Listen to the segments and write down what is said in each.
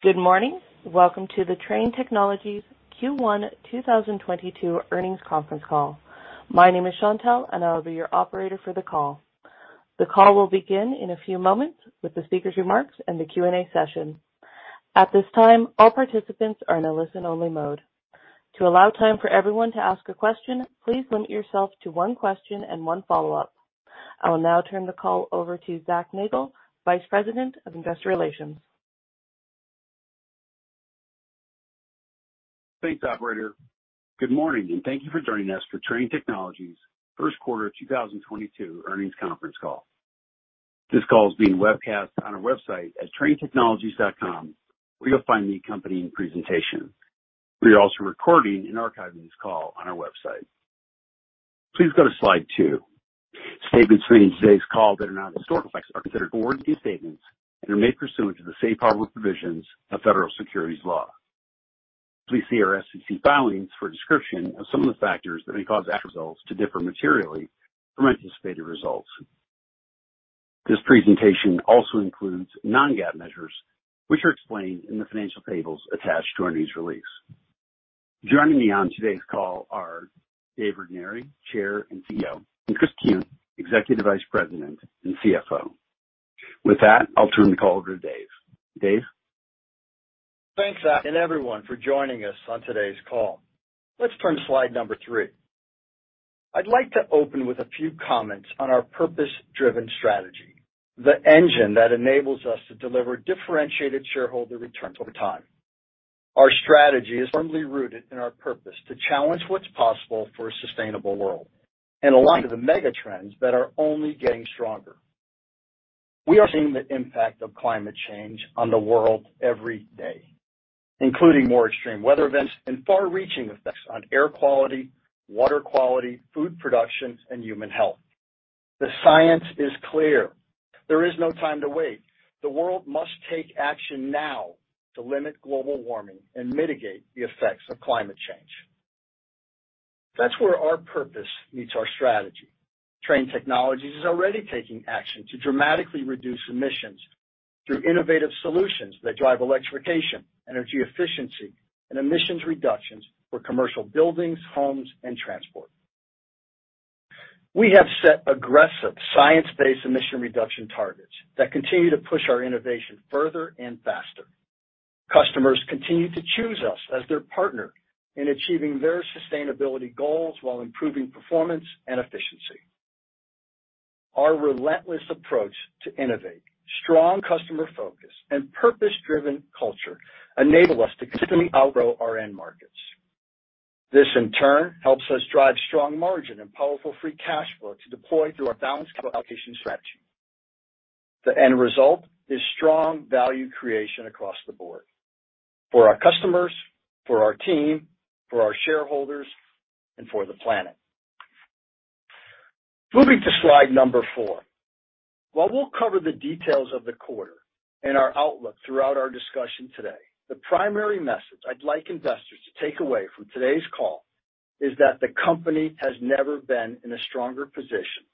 Good morning. Welcome to the Trane Technologies Q1 2022 earnings conference call. My name is Chantelle, and I'll be your operator for the call. The call will begin in a few moments with the speaker's remarks and the Q&A session. At this time, all participants are in a listen-only mode. To allow time for everyone to ask a question, please limit yourself to one question and one follow-up. I will now turn the call over to Zac Nagle, Vice President of Investor Relations. Thanks, operator. Good morning, and thank you for joining us for Trane Technologies Q1 2022 earnings conference call. This call is being webcast on our website at tranetechnologies.com, where you'll find the accompanying presentation. We are also recording and archiving this call on our website. Please go to slide 2. Statements made in today's call that are not historical facts are considered forward-looking statements and are made pursuant to the safe harbor provisions of federal securities law. Please see our SEC filings for a description of some of the factors that may cause actual results to differ materially from anticipated results. This presentation also includes non-GAAP measures, which are explained in the financial tables attached to earnings release. Joining me on today's call are Dave Regnery, Chair and CEO, and Chris Kuehn, Executive Vice President and CFO. With that, I'll turn the call over to Dave. Dave? Thanks, Zac, and everyone, for joining us on today's call. Let's turn to slide number 3. I'd like to open with a few comments on our purpose-driven strategy, the engine that enables us to deliver differentiated shareholder returns over time. Our strategy is firmly rooted in our purpose to challenge what's possible for a sustainable world and align to the mega trends that are only getting stronger. We are seeing the impact of climate change on the world every day, including more extreme weather events and far-reaching effects on air quality, water quality, food production, and human health. The science is clear. There is no time to wait. The world must take action now to limit global warming and mitigate the effects of climate change. That's where our purpose meets our strategy. Trane Technologies is already taking action to dramatically reduce emissions through innovative solutions that drive electrification, energy efficiency, and emissions reductions for commercial buildings, homes, and transport. We have set aggressive science-based emission reduction targets that continue to push our innovation further and faster. Customers continue to choose us as their partner in achieving their sustainability goals while improving performance and efficiency. Our relentless approach to innovate, strong customer focus, and purpose-driven culture enable us to consistently outgrow our end markets. This, in turn, helps us drive strong margin and powerful free cash flow to deploy through our balanced capital allocation strategy. The end result is strong value creation across the board for our customers, for our team, for our shareholders, and for the planet. Moving to slide number 4. While we'll cover the details of the quarter and our outlook throughout our discussion today, the primary message I'd like investors to take away from today's call is that the company has never been in a stronger position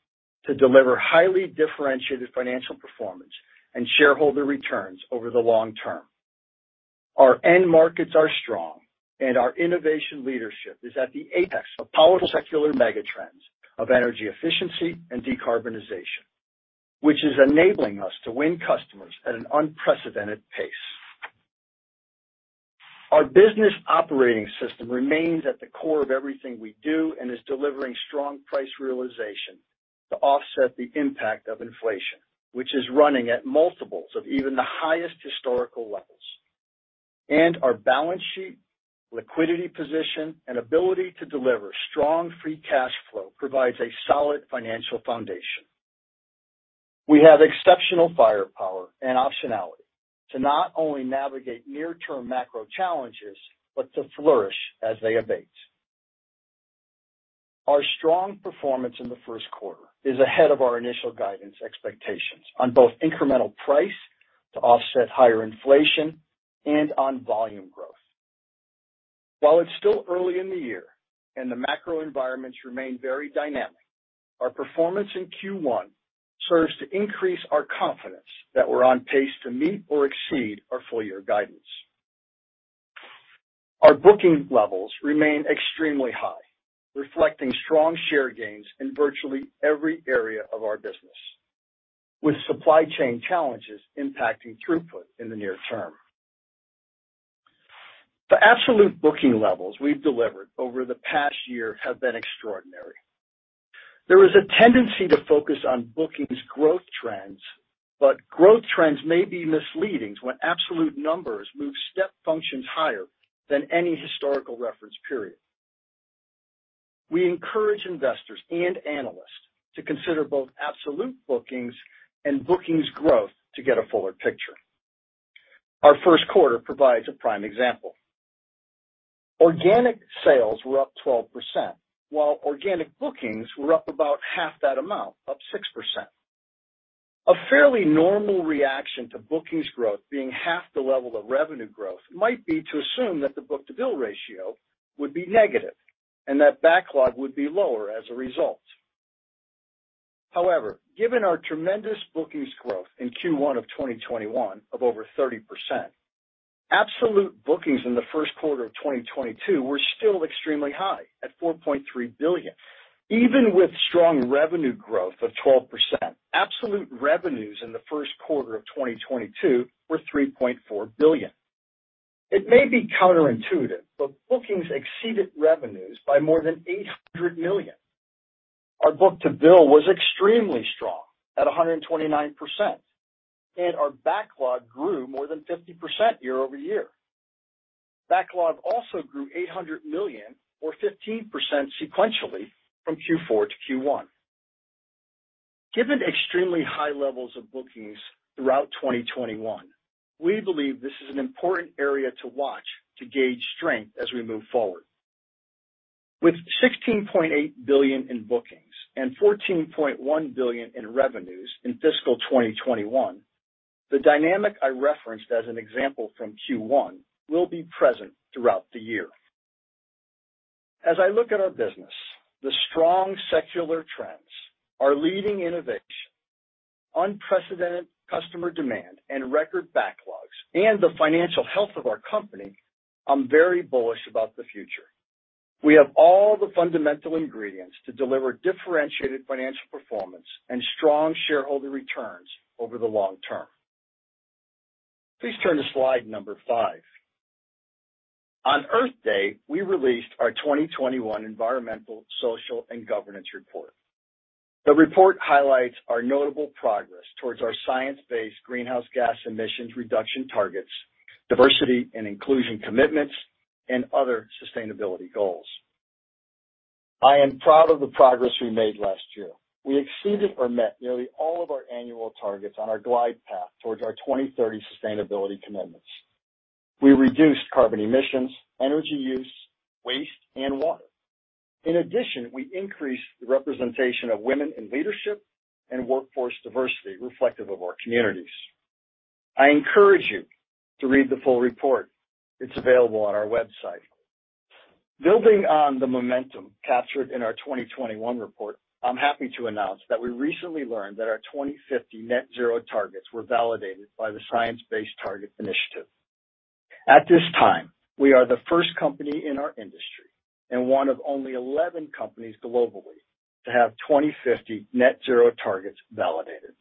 to deliver highly differentiated financial performance and shareholder returns over the long term. Our end markets are strong, and our innovation leadership is at the apex of powerful secular mega trends of energy efficiency and decarbonization, which is enabling us to win customers at an unprecedented pace. Our business operating system remains at the core of everything we do and is delivering strong price realization to offset the impact of inflation, which is running at multiples of even the highest historical levels. Our balance sheet, liquidity position, and ability to deliver strong free cash flow provides a solid financial foundation. We have exceptional firepower and optionality to not only navigate near-term macro challenges but to flourish as they abate. Our strong performance in the Q1 is ahead of our initial guidance expectations on both incremental price to offset higher inflation and on volume growth. While it's still early in the year and the macro environments remain very dynamic, our performance in Q1 serves to increase our confidence that we're on pace to meet or exceed our full-year guidance. Our booking levels remain extremely high, reflecting strong share gains in virtually every area of our business, with supply chain challenges impacting throughput in the near term. The absolute booking levels we've delivered over the past year have been extraordinary. There is a tendency to focus on bookings growth trends, but growth trends may be misleading when absolute numbers move step functions higher than any historical reference period. We encourage investors and analysts to consider both absolute bookings and bookings growth to get a fuller picture. Our Q1 provides a prime example. Organic sales were up 12%, while organic bookings were up about half that amount, up 6%. A fairly normal reaction to bookings growth being half the level of revenue growth might be to assume that the book-to-bill ratio would be negative and that backlog would be lower as a result. However, given our tremendous bookings growth in Q1 of 2021 of over 30%, absolute bookings in the Q1 of 2022 were still extremely high at $4.3 billion. Even with strong revenue growth of 12%, absolute revenues in the Q1 of 2022 were $3.4 billion. It may be counterintuitive, but bookings exceeded revenues by more than $800 million. Our book-to-bill was extremely strong at 129%, and our backlog grew more than 50% year-over-year. Backlog also grew $800 million or 15% sequentially from Q4 to Q1. Given extremely high levels of bookings throughout 2021, we believe this is an important area to watch to gauge strength as we move forward. With $16.8 billion in bookings and $14.1 billion in revenues in fiscal 2021, the dynamic I referenced as an example from Q1 will be present throughout the year. As I look at our business, the strong secular trends are leading innovation, unprecedented customer demand, and record backlogs, and the financial health of our company, I'm very bullish about the future. We have all the fundamental ingredients to deliver differentiated financial performance and strong shareholder returns over the long term. Please turn to slide number 5. On Earth Day, we released our 2021 environmental, social, and governance report. The report highlights our notable progress towards our science-based greenhouse gas emissions reduction targets, diversity and inclusion commitments, and other sustainability goals. I am proud of the progress we made last year. We exceeded or met nearly all of our annual targets on our glide path towards our 2030 sustainability commitments. We reduced carbon emissions, energy use, waste, and water. In addition, we increased the representation of women in leadership and workforce diversity reflective of our communities. I encourage you to read the full report. It's available on our website. Building on the momentum captured in our 2021 report, I'm happy to announce that we recently learned that our 2050 net zero targets were validated by the Science Based Targets initiative. At this time, we are the first company in our industry and one of only 11 companies globally to have 2050 net zero targets validated.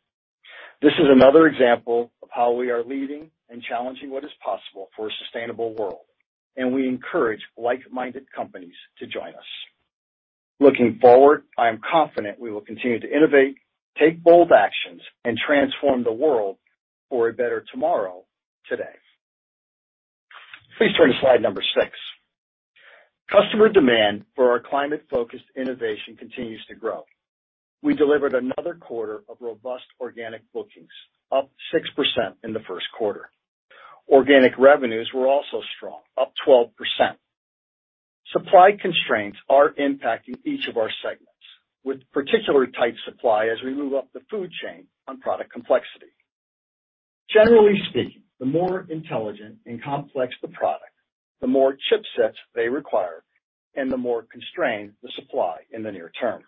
This is another example of how we are leading and challenging what is possible for a sustainable world, and we encourage like-minded companies to join us. Looking forward, I am confident we will continue to innovate, take bold actions, and transform the world for a better tomorrow, today. Please turn to slide number 6. Customer demand for our climate-focused innovation continues to grow. We delivered another quarter of robust organic bookings, up 6% in the Q1. Organic revenues were also strong, up 12%. Supply constraints are impacting each of our segments with particularly tight supply as we move up the food chain on product complexity. Generally speaking, the more intelligent and complex the product, the more chipsets they require and the more constrained the supply in the near term.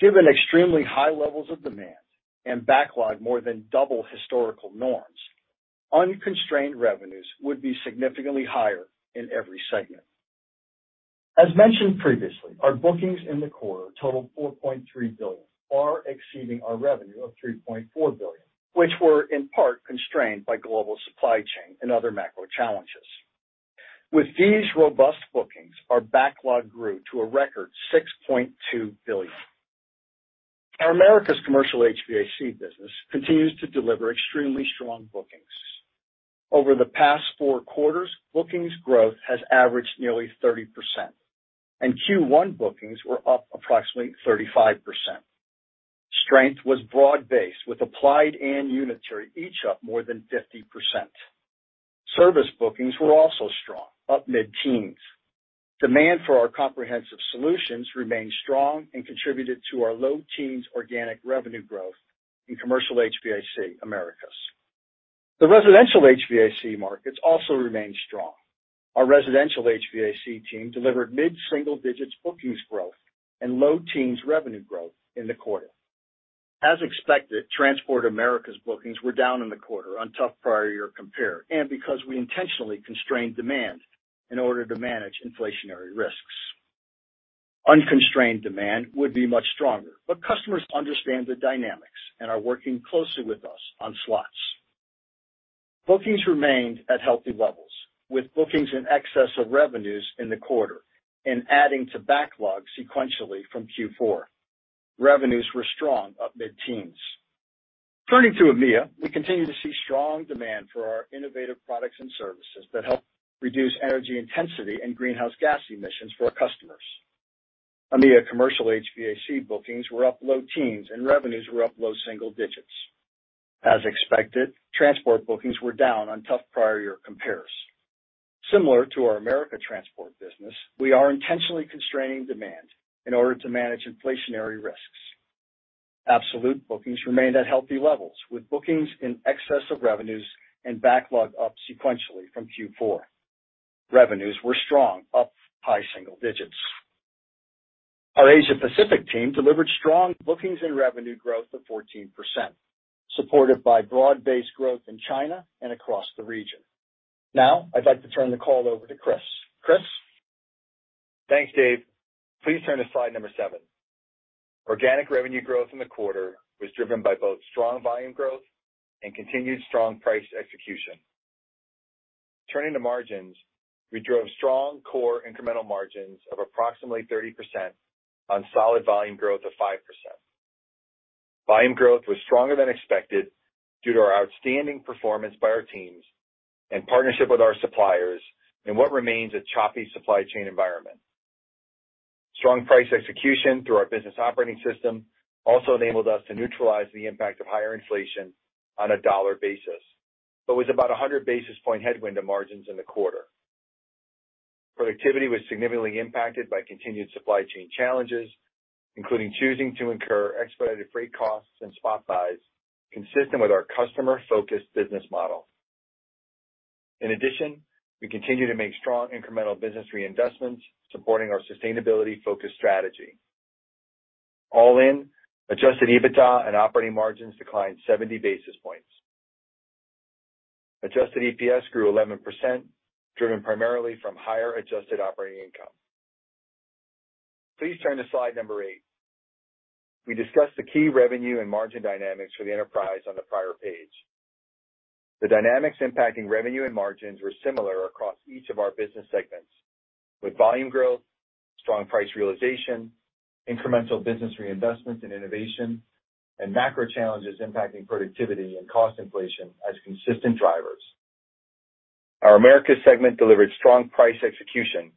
Given extremely high levels of demand and backlog more than double historical norms, unconstrained revenues would be significantly higher in every segment. As mentioned previously, our bookings in the quarter totaled $4.3 billion, far exceeding our revenue of $3.4 billion, which were in part constrained by global supply chain and other macro challenges. With these robust bookings, our backlog grew to a record $6.2 billion. Our Americas commercial HVAC business continues to deliver extremely strong bookings. Over the past four quarters, bookings growth has averaged nearly 30%, and Q1 bookings were up approximately 35%. Strength was broad-based, with applied and unitary each up more than 50%. Service bookings were also strong, up mid-teens. Demand for our comprehensive solutions remained strong and contributed to our low teens organic revenue growth in commercial HVAC Americas. The residential HVAC markets also remained strong. Our residential HVAC team delivered mid-single digits bookings growth and low teens revenue growth in the quarter. As expected, Transport Americas bookings were down in the quarter on tough prior-year compare, and because we intentionally constrained demand in order to manage inflationary risks. Unconstrained demand would be much stronger, but customers understand the dynamics and are working closely with us on slots. Bookings remained at healthy levels, with bookings in excess of revenues in the quarter and adding to backlog sequentially from Q4. Revenues were strong, up mid-teens. Turning to EMEA, we continue to see strong demand for our innovative products and services that help reduce energy intensity and greenhouse gas emissions for our customers. EMEA commercial HVAC bookings were up low teens and revenues were up low single digits. As expected, transport bookings were down on tough prior year compares. Similar to our America Transport business, we are intentionally constraining demand in order to manage inflationary risks. Absolute bookings remained at healthy levels with bookings in excess of revenues and backlog up sequentially from Q4. Revenues were strong, up high single digits. Our Asia Pacific team delivered strong bookings and revenue growth of 14%, supported by broad-based growth in China and across the region. Now, I'd like to turn the call over to Chris. Chris? Thanks, Dave. Please turn to slide number 7. Organic revenue growth in the quarter was driven by both strong volume growth and continued strong price execution. Turning to margins, we drove strong core incremental margins of approximately 30% on solid volume growth of 5%. Volume growth was stronger than expected due to our outstanding performance by our teams and partnership with our suppliers in what remains a choppy supply chain environment. Strong price execution through our business operating system also enabled us to neutralize the impact of higher inflation on a dollar basis, but was about 100 basis point headwind to margins in the quarter. Productivity was significantly impacted by continued supply chain challenges, including choosing to incur expedited freight costs and spot buys consistent with our customer-focused business model. In addition, we continue to make strong incremental business reinvestments supporting our sustainability-focused strategy. All in, adjusted EBITDA and operating margins declined 70 basis points. Adjusted EPS grew 11%, driven primarily from higher adjusted operating income. Please turn to slide 8. We discussed the key revenue and margin dynamics for the enterprise on the prior page. The dynamics impacting revenue and margins were similar across each of our business segments, with volume growth, strong price realization, incremental business reinvestment and innovation, and macro challenges impacting productivity and cost inflation as consistent drivers. Our Americas segment delivered strong price execution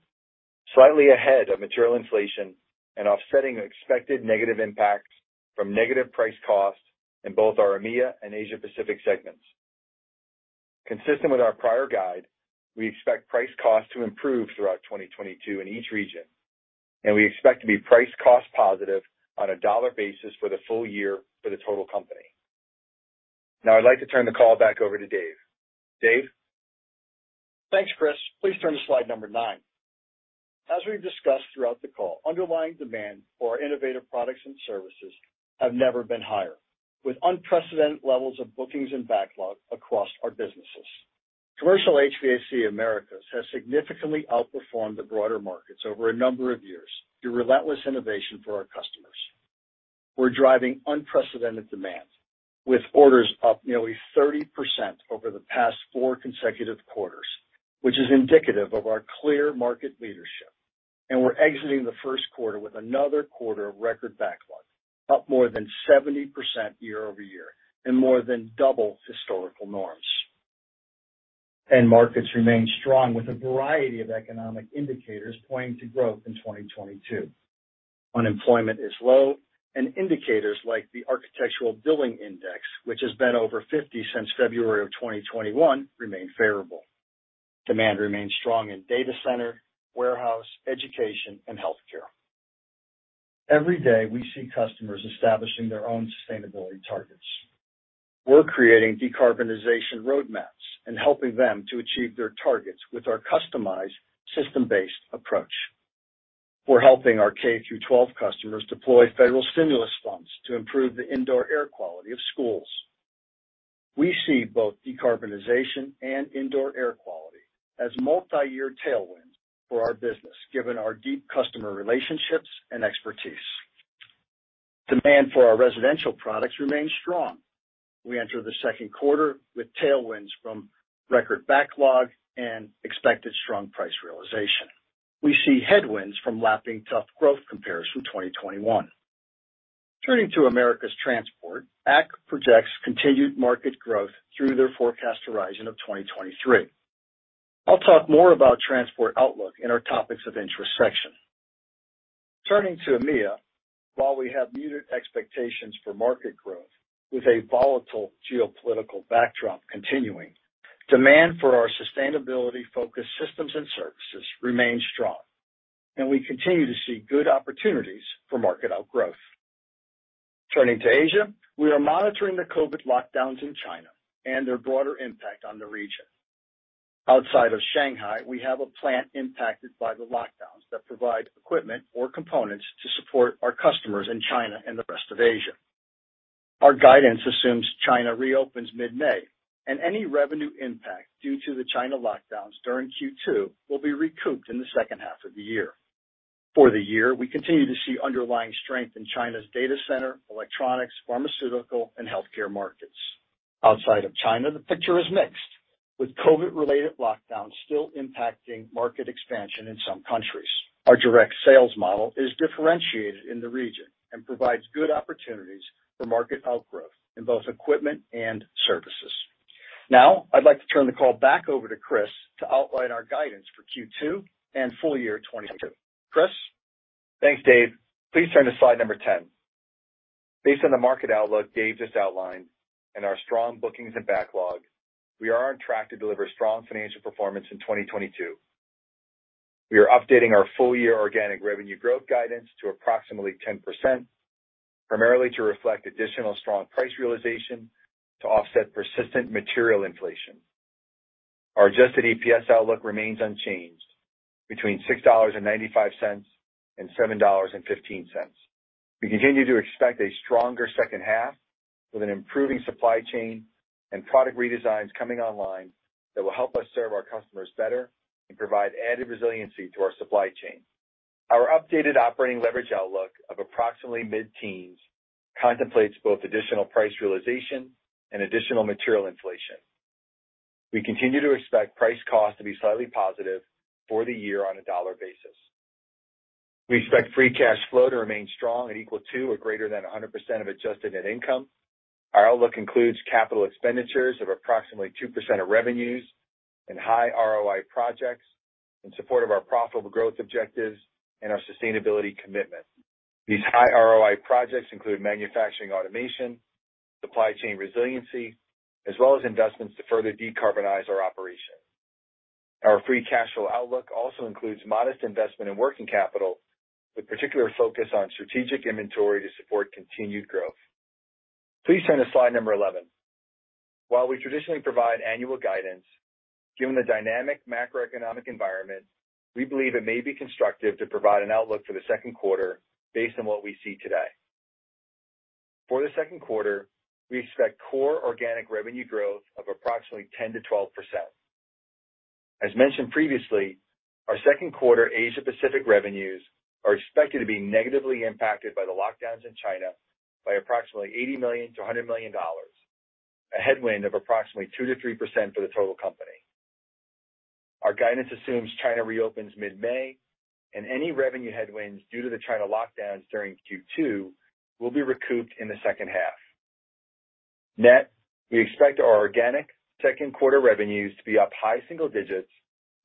slightly ahead of material inflation and offsetting expected negative impacts from negative price costs in both our EMEA and Asia Pacific segments. Consistent with our prior guide, we expect price cost to improve throughout 2022 in each region, and we expect to be price cost positive on a dollar basis for the full year for the total company. Now, I'd like to turn the call back over to Dave. Dave? Thanks, Chris. Please turn to slide number 9. As we've discussed throughout the call, underlying demand for our innovative products and services have never been higher, with unprecedented levels of bookings and backlog across our businesses. Commercial HVAC Americas has significantly outperformed the broader markets over a number of years through relentless innovation for our customers. We're driving unprecedented demand, with orders up nearly 30% over the past four consecutive quarters, which is indicative of our clear market leadership. We're exiting the Q1 with another quarter of record backlog, up more than 70% year-over-year and more than double historical norms. End markets remain strong with a variety of economic indicators pointing to growth in 2022. Unemployment is low, and indicators like the Architecture Billings Index, which has been over 50 since February of 2021, remain favorable. Demand remains strong in data center, warehouse, education, and healthcare. Every day, we see customers establishing their own sustainability targets. We're creating decarbonization roadmaps and helping them to achieve their targets with our customized system-based approach. We're helping our K-12 customers deploy federal stimulus funds to improve the indoor air quality of schools. We see both decarbonization and indoor air quality as multiyear tailwinds for our business, given our deep customer relationships and expertise. Demand for our residential products remains strong. We enter the Q2 with tailwinds from record backlog and expected strong price realization. We see headwinds from lapping tough growth compares from 2021. Turning to Americas Transport, ACT projects continued market growth through their forecast horizon of 2023. I'll talk more about transport outlook in our topics of interest section. Turning to EMEA. While we have muted expectations for market growth with a volatile geopolitical backdrop continuing, demand for our sustainability-focused systems and services remains strong, and we continue to see good opportunities for market outgrowth. Turning to Asia. We are monitoring the COVID lockdowns in China and their broader impact on the region. Outside of Shanghai, we have a plant impacted by the lockdowns that provide equipment or components to support our customers in China and the rest of Asia. Our guidance assumes China reopens mid-May, and any revenue impact due to the China lockdowns during Q2 will be recouped in the second half of the year. For the year, we continue to see underlying strength in China's data center, electronics, pharmaceutical, and healthcare markets. Outside of China, the picture is mixed, with COVID-related lockdowns still impacting market expansion in some countries. Our direct sales model is differentiated in the region and provides good opportunities for market outgrowth in both equipment and services. Now, I'd like to turn the call back over to Chris to outline our guidance for Q2 and full year 2022. Chris? Thanks, Dave. Please turn to slide number 10. Based on the market outlook Dave just outlined and our strong bookings and backlog, we are on track to deliver strong financial performance in 2022. We are updating our full year organic revenue growth guidance to approximately 10%, primarily to reflect additional strong price realization to offset persistent material inflation. Our adjusted EPS outlook remains unchanged between $6.95 and $7.15. We continue to expect a stronger second half with an improving supply chain and product redesigns coming online that will help us serve our customers better and provide added resiliency to our supply chain. Our updated operating leverage outlook of approximately mid-teens contemplates both additional price realization and additional material inflation. We continue to expect price cost to be slightly positive for the year on a dollar basis. We expect free cash flow to remain strong and equal to or greater than 100% of adjusted net income. Our outlook includes capital expenditures of approximately 2% of revenues and high ROI projects in support of our profitable growth objectives and our sustainability commitment. These high ROI projects include manufacturing automation, supply chain resiliency, as well as investments to further decarbonize our operation. Our free cash flow outlook also includes modest investment in working capital, with particular focus on strategic inventory to support continued growth. Please turn to slide 11. While we traditionally provide annual guidance, given the dynamic macroeconomic environment, we believe it may be constructive to provide an outlook for the Q2, based on what we see today. For the Q2, we expect core organic revenue growth of approximately 10%-12%. As mentioned previously, our Q2 Asia-Pacific revenues are expected to be negatively impacted by the lockdowns in China by approximately $80 million-$100 million, a headwind of approximately 2%-3% for the total company. Our guidance assumes China reopens mid-May, and any revenue headwinds due to the China lockdowns during Q2 will be recouped in the second half. Net, we expect our organic Q2 revenues to be up high single digits%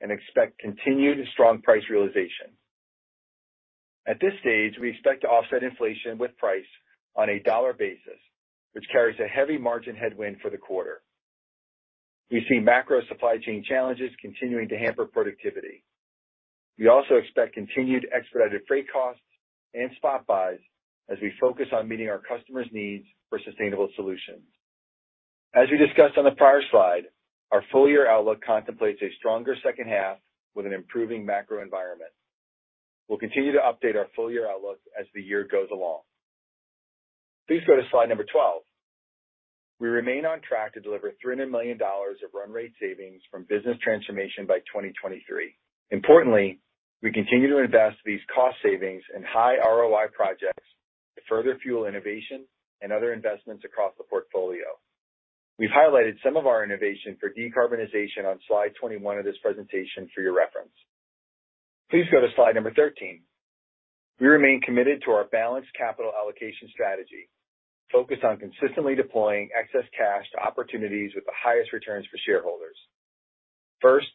and expect continued strong price realization. At this stage, we expect to offset inflation with price on a dollar basis, which carries a heavy margin headwind for the quarter. We see macro supply chain challenges continuing to hamper productivity. We also expect continued expedited freight costs and spot buys as we focus on meeting our customers' needs for sustainable solutions. As we discussed on the prior slide, our full year outlook contemplates a stronger second half with an improving macro environment. We'll continue to update our full year outlook as the year goes along. Please go to slide number 12. We remain on track to deliver $300 million of run rate savings from business transformation by 2023. Importantly, we continue to invest these cost savings in high ROI projects to further fuel innovation and other investments across the portfolio. We highlighted some of our innovation for decarbonization on slide 21 of this presentation for your reference. Please go to slide number 13. We remain committed to our balanced capital allocation strategy, focused on consistently deploying excess cash to opportunities with the highest returns for shareholders. First,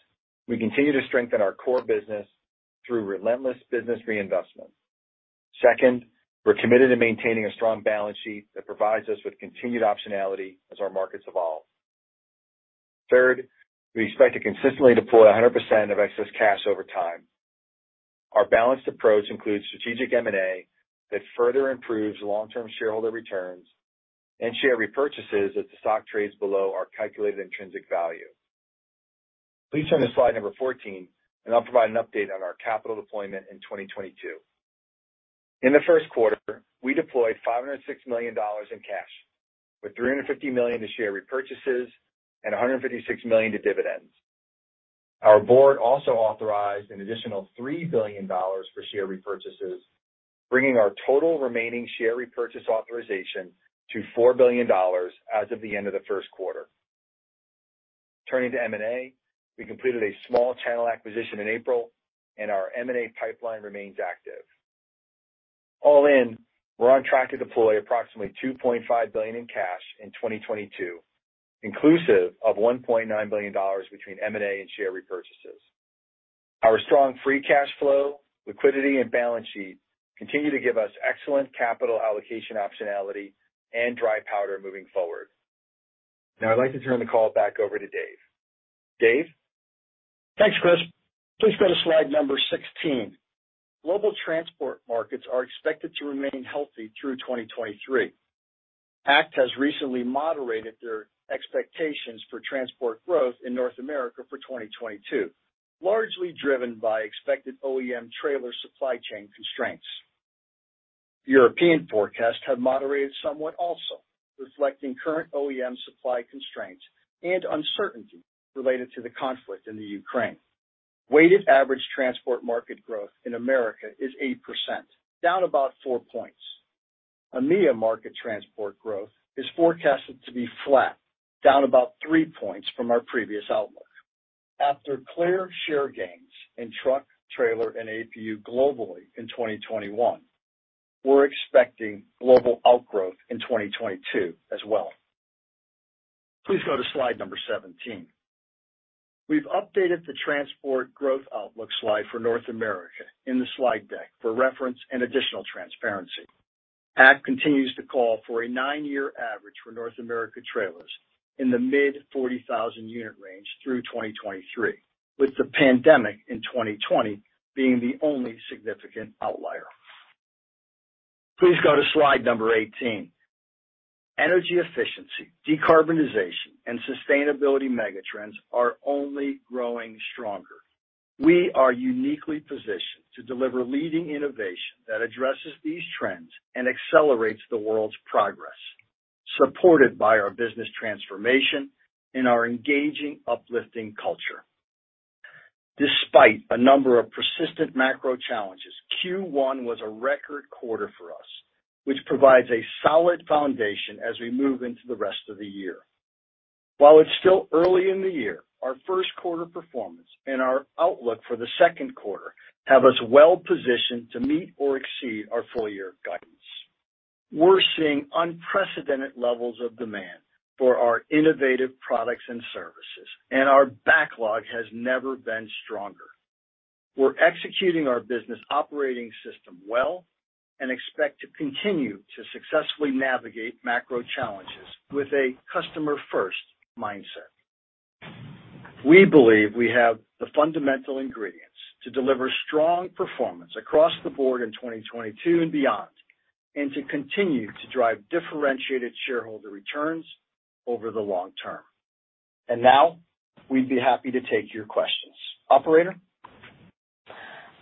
we continue to strengthen our core business through relentless business reinvestment. Second, we're committed to maintaining a strong balance sheet that provides us with continued optionality as our markets evolve. Third, we expect to consistently deploy 100% of excess cash over time. Our balanced approach includes strategic M&A that further improves long-term shareholder returns and share repurchases as the stock trades below our calculated intrinsic value. Please turn to slide number 14, and I'll provide an update on our capital deployment in 2022. In the Q1, we deployed $506 million in cash, with $350 million to share repurchases and $156 million to dividends. Our board also authorized an additional $3 billion for share repurchases, bringing our total remaining share repurchase authorization to $4 billion as of the end of the Q1. Turning to M&A, we completed a small channel acquisition in April, and our M&A pipeline remains active. All in, we're on track to deploy approximately $2.5 billion in cash in 2022, inclusive of $1.9 billion between M&A and share repurchases. Our strong free cash flow, liquidity, and balance sheet continue to give us excellent capital allocation optionality and dry powder moving forward. Now I'd like to turn the call back over to Dave. Dave? Thanks, Chris. Please go to slide number 16. Global transport markets are expected to remain healthy through 2023. ACT has recently moderated their expectations for transport growth in North America for 2022, largely driven by expected OEM trailer supply chain constraints. European forecasts have moderated somewhat also, reflecting current OEM supply constraints and uncertainty related to the conflict in the Ukraine. Weighted average transport market growth in America is 8%, down about 4 points. EMEIA market transport growth is forecasted to be flat, down about 3 points from our previous outlook. After clear share gains in truck trailer, and APU globally in 2021, we're expecting global outgrowth in 2022 as well. Please go to slide number 17. We've updated the transport growth outlook slide for North America in the slide deck for reference and additional transparency. ACT continues to call for a 9-year average for North America trailers in the mid-40,000 unit range through 2023, with the pandemic in 2020 being the only significant outlier. Please go to slide number 18. Energy efficiency, decarbonization, and sustainability megatrends are only growing stronger. We are uniquely positioned to deliver leading innovation that addresses these trends and accelerates the world's progress, supported by our business transformation and our engaging, uplifting culture. Despite a number of persistent macro challenges, Q1 was a record quarter for us, which provides a solid foundation as we move into the rest of the year. While it's still early in the year, our Q1 performance and our outlook for the Q2 have us well positioned to meet or exceed our full year guidance. We're seeing unprecedented levels of demand for our innovative products and services, and our backlog has never been stronger. We're executing our business operating system well and expect to continue to successfully navigate macro challenges with a customer-first mindset. We believe we have the fundamental ingredients to deliver strong performance across the board in 2022 and beyond, and to continue to drive differentiated shareholder returns over the long term. Now we'd be happy to take your questions. Operator?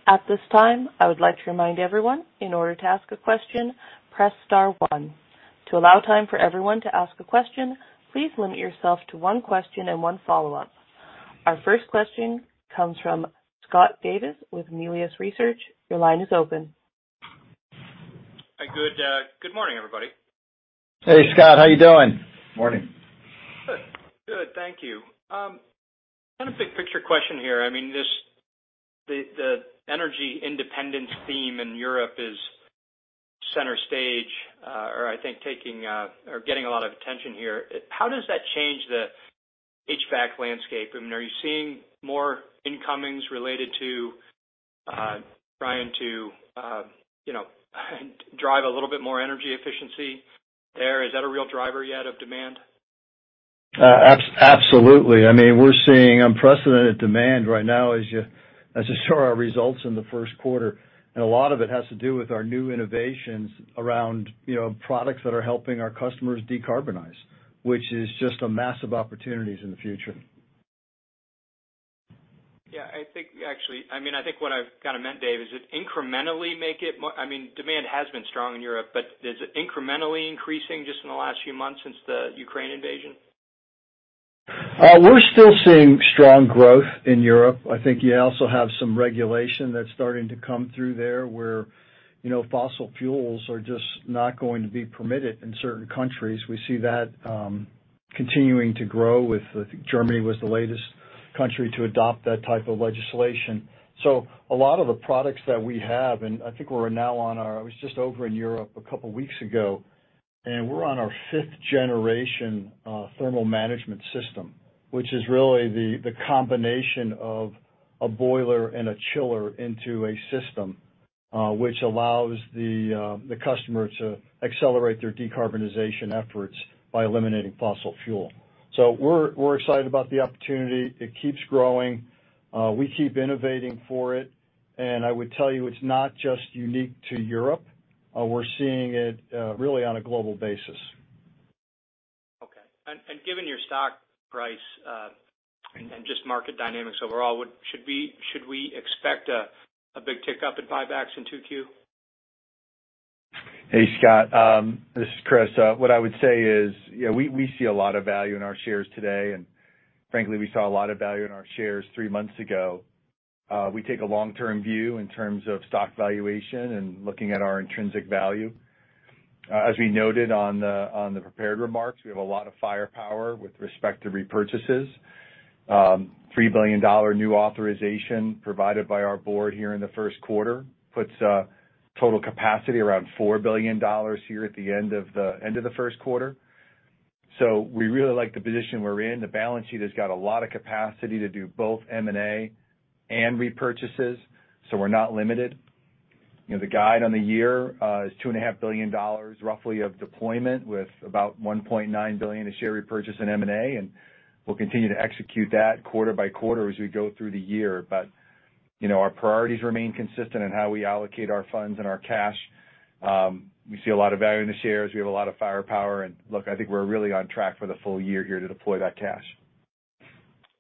At this time, I would like to remind everyone, in order to ask a question, press star one. To allow time for everyone to ask a question, please limit yourself to one question and one follow-up. Our first question comes from Scott Davis with Melius Research. Your line is open. Hi. Good morning, everybody. Hey, Scott. How you doing? Morning. Good, thank you. Kind of big picture question here. I mean, the energy independence theme in Europe is center stage or I think taking or getting a lot of attention here. How does that change the HVAC landscape? I mean, are you seeing more incomings related to trying to you know, drive a little bit more energy efficiency there? Is that a real driver yet of demand? Absolutely. I mean, we are seeing unprecedented demand right now as you saw our results in the Q1. A lot of it has to do with our new innovations around, you know, products that are helping our customers decarbonize, which is just a massive opportunities in the future. Yeah. I think actually, I mean, I think what I've kinda meant, Dave, I mean, demand has been strong in Europe, but is it incrementally increasing just in the last few months since the Ukraine invasion? We are still seeing strong growth in Europe. I think you also have some regulation that's starting to come through there, where, you know, fossil fuels are just not going to be permitted in certain countries. We see that continuing to grow, with, I think, Germany was the latest country to adopt that type of legislation. A lot of the products that we have, and I think we are now on our, I was just over in Europe a couple weeks ago, fifth generation thermal management system, which is really the combination of a boiler and a chiller into a system, which allows the customer to accelerate their decarbonization efforts by eliminating fossil fuel. So we are excited about the opportunity. It keeps growing. We keep innovating for it. I would tell you, it's not just unique to Europe. We're seeing it really on a global basis. Okay. Given your stock price and just market dynamics overall, should we expect a big tick up in buybacks in 2Q? Hey, Scott. This is Chris. What I would say is, you know, we see a lot of value in our shares today, and frankly, we saw a lot of value in our shares three months ago. We take a long-term view in terms of stock valuation and looking at our intrinsic value. As we noted on the prepared remarks, we have a lot of firepower with respect to repurchases. $3 billion new authorization provided by our board here in the Q1 puts total capacity around $4 billion here at the end of the Q1. We really like the position we're in. The balance sheet has got a lot of capacity to do both M&A and repurchases, so we are not limited. You know, the guide on the year is $2.5 billion roughly of deployment, with about $1.9 billion in share repurchase and M&A. We'll continue to execute that quarter by quarter as we go through the year. You know, our priorities remain consistent in how we allocate our funds and our cash. We see a lot of value in the shares. We have a lot of firepower. Look, I think we're really on track for the full year here to deploy that cash.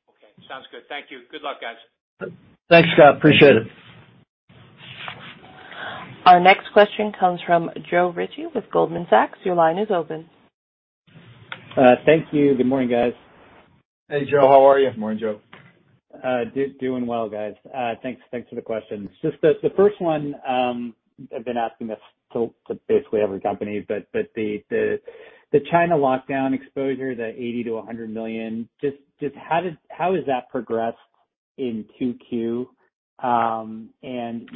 Okay. Sounds good. Thank you. Good luck, guys. Thanks, Scott. Appreciate it. Thank you. Our next question comes from Joe Ritchie with Goldman Sachs. Your line is open. Thank you. Good morning, guys. Hey, Joe. How are you? Morning, Joe. Doing well, guys. Thanks for the questions. Just the first one, I've been asking this to basically every company, but the China lockdown exposure, the $80 million-$100 million, just how has that progressed in 2Q? You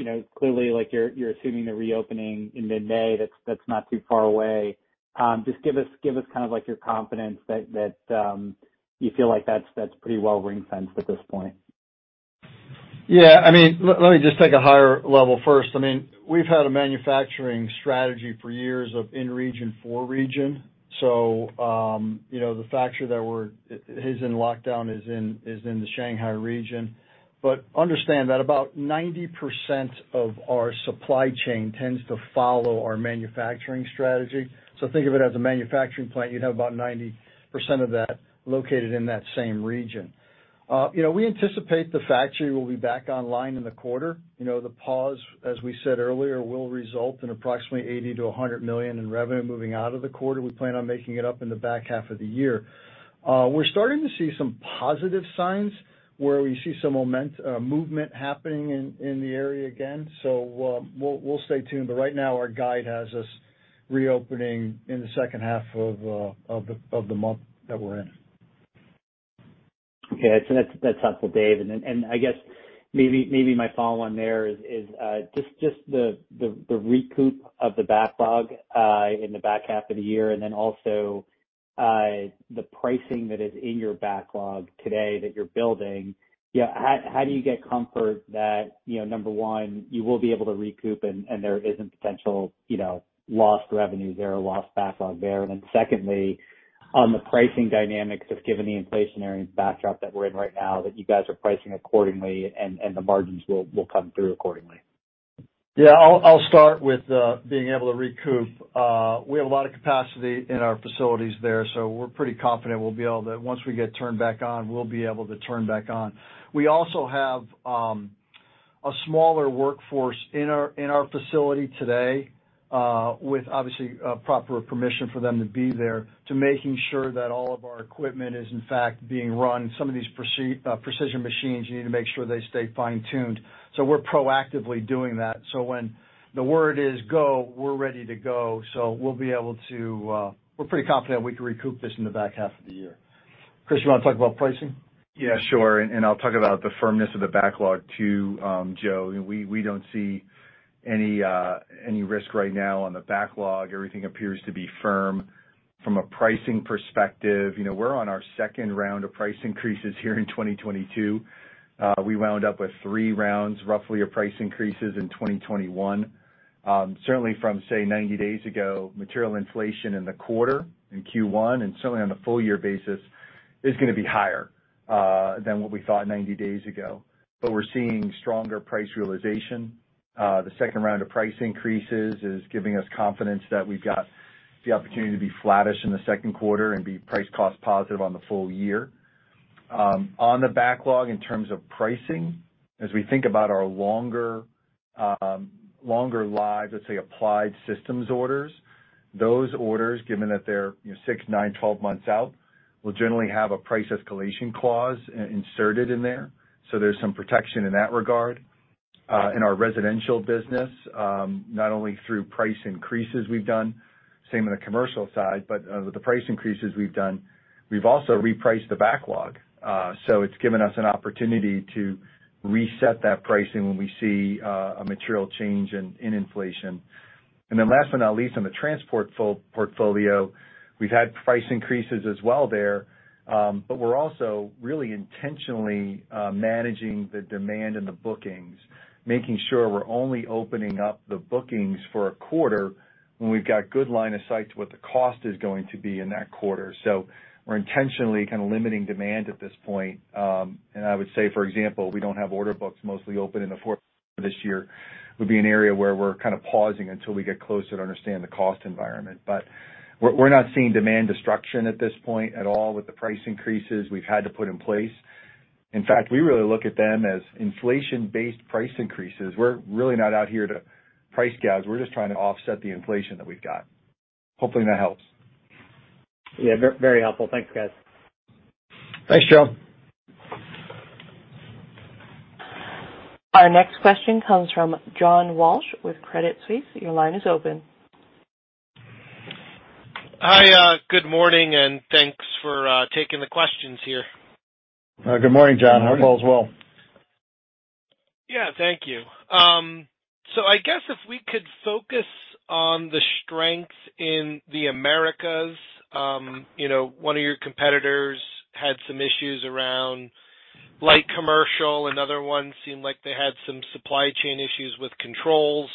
know, clearly, like, you're assuming the reopening in mid-May. That's not too far away. Just give us kind of like your confidence that you feel like that's pretty well ring-fenced at this point. Yeah, I mean, let me just take a higher level first. I mean, we've had a manufacturing strategy for years of in region for region. You know, the factory is in lockdown in the Shanghai region. Understand that about 90% of our supply chain tends to follow our manufacturing strategy. Think of it as a manufacturing plant, you'd have about 90% of that located in that same region. You know, we anticipate the factory will be back online in the quarter. You know, the pause, as we said earlier, will result in approximately $80 million-$100 million in revenue moving out of the quarter. We plan on making it up in the back half of the year. We are starting to see some positive signs where we see some movement happening in the area again. We'll stay tuned. Right now, our guide has us reopening in the second half of the month that we are in. Okay. That's helpful, Dave. I guess maybe my follow on there is just the recoup of the backlog in the back half of the year and then also the pricing that is in your backlog today that you're building. You know, how do you get comfort that, you know, number one, you will be able to recoup and there isn't potential, you know, lost revenue there or lost backlog there? Secondly, on the pricing dynamics, just given the inflationary backdrop that we are in right now, that you guys are pricing accordingly and the margins will come through accordingly. Yeah, I'll start with being able to recoup. We have a lot of capacity in our facilities there, so we're pretty confident we'll be able to. Once we get turned back on, we'll be able to turn back on. We also have a smaller workforce in our facility today, with obviously proper permission for them to be there, to making sure that all of our equipment is in fact being run. Some of these precision machines, you need to make sure they stay fine-tuned. We're proactively doing that. When the word is go, we're ready to go. We'll be able to, we're pretty confident we can recoup this in the back half of the year. Chris, you wanna talk about pricing? Yeah, sure. I'll talk about the firmness of the backlog too, Joe. We don't see any risk right now on the backlog. Everything appears to be firm. From a pricing perspective, you know, we're on our second round of price increases here in 2022. We wound up with 3 rounds, roughly of price increases in 2021. Certainly from, say, 90 days ago, material inflation in the quarter, in Q1, and certainly on a full year basis is gonna be higher than what we thought 90 days ago. But we are seeing stronger price realization. The second round of price increases is giving us confidence that we've got the opportunity to be flattish in the Q2 and be price cost positive on the full year. On the backlog, in terms of pricing, as we think about our longer-lived, let's say, applied systems orders, those orders, given that they're, you know, 6, 9, 12 months out, will generally have a price escalation clause inserted in there. So there's some protection in that regard. In our residential business, not only through price increases we've done, same on the commercial side, but with the price increases we've done, we've also repriced the backlog. So it's given us an opportunity to reset that pricing when we see a material change in inflation. Last but not least, on the transport portfolio, we've had price increases as well there, but we're also really intentionally managing the demand and the bookings, making sure we're only opening up the bookings for a quarter when we've got good line of sight to what the cost is going to be in that quarter. We're intentionally kinda limiting demand at this point. I would say, for example, we don't have order books mostly open in the Q4 this year. Would be an area where we're kind of pausing until we get closer to understand the cost environment. We're not seeing demand destruction at this point at all with the price increases we've had to put in place. In fact, we really look at them as inflation-based price increases. We're really not out here to price gouge. We're just trying to offset the inflation that we've got. Hopefully, that helps. Yeah, very helpful. Thanks, guys. Thanks, Joe. Our next question comes from John Walsh with Credit Suisse. Your line is open. Hi, good morning, and thanks for taking the questions here. Good morning, John. Hope all is well. Yeah, thank you. I guess if we could focus on the strengths in the Americas. You know, one of your competitors had some issues around light commercial. Another one seemed like they had some supply chain issues with controls.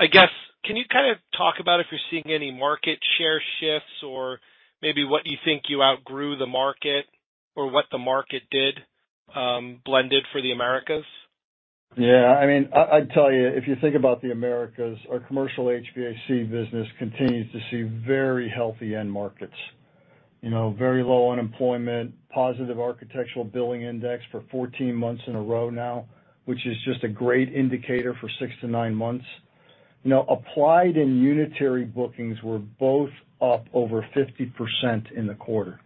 I guess, can you kind of talk about if you're seeing any market share shifts or maybe what you think you outgrew the market or what the market did, blended for the Americas? Yeah, I mean, I'd tell you, if you think about the Americas, our commercial HVAC business continues to see very healthy end markets. You know, very low unemployment, positive Architecture Billings Index for 14 months in a row now, which is just a great indicator for 6 to 9 months. You know, applied and unitary bookings were both up over 50% in the quarter.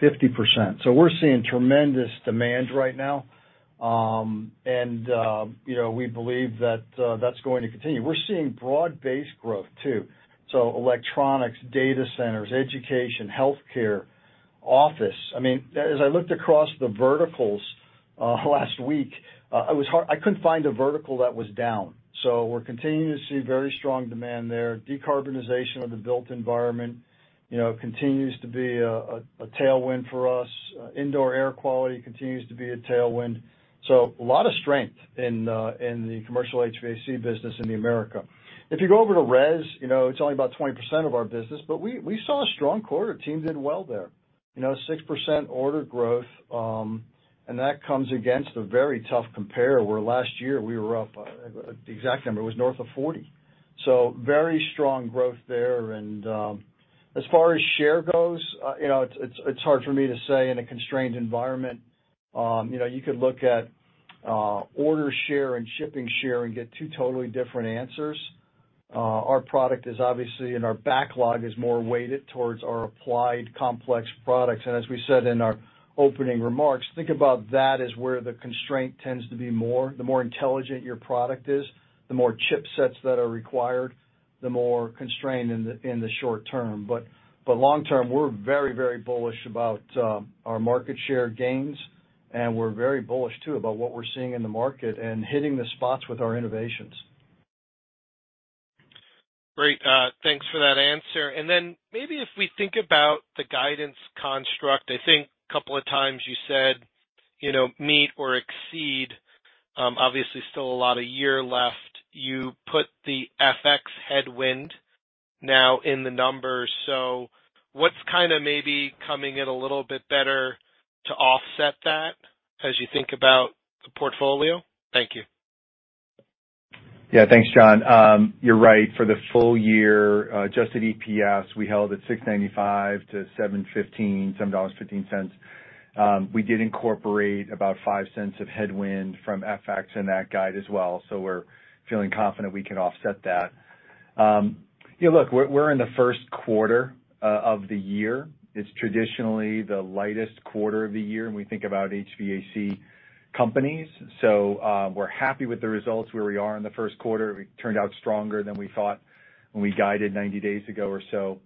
50%. We're seeing tremendous demand right now. You know, we believe that that's going to continue. We're seeing broad-based growth too. Electronics, data centers, education, healthcare, office. I mean, as I looked across the verticals last week, I couldn't find a vertical that was down. We're continuing to see very strong demand there. Decarbonization of the built environment, you know, continues to be a tailwind for us. Indoor air quality continues to be a tailwind. A lot of strength in the commercial HVAC business in America. If you go over to res, it's only about 20% of our business, but we saw a strong quarter. Trane did well there. Six percent order growth, and that comes against a very tough compare, where last year we were up, the exact number was north of 40%. Very strong growth there. As far as share goes, you know, it's hard for me to say in a constrained environment. You could look at order share and shipping share and get two totally different answers. Our product is obviously and our backlog is more weighted towards our applied complex products. As we said in our opening remarks, think about that as where the constraint tends to be more. The more intelligent your product is, the more chipsets that are required, the more constrained in the short term. But long term, we're very, very bullish about our market share gains, and we're very bullish too about what we're seeing in the market and hitting the spots with our innovations. Great. Thanks for that answer. Then maybe if we think about the guidance construct, I think a couple of times you said, you know, meet or exceed. Obviously still a lot of year left. You put the FX headwind now in the numbers. So what's kind of maybe coming in a little bit better to offset that as you think about the portfolio? Thank you. Yeah. Thanks, John. You are right. For the full year, adjusted EPS, we held at $6.95-$7.15, $7.15. We did incorporate about $0.05 of headwind from FX in that guide as well. We're feeling confident we can offset that. Yeah, look, we're in the Q1 of the year. It's traditionally the lightest quarter of the year when we think about HVAC companies. We're happy with the results where we are in the Q1. We turned out stronger than we thought when we guided 90 days ago or so.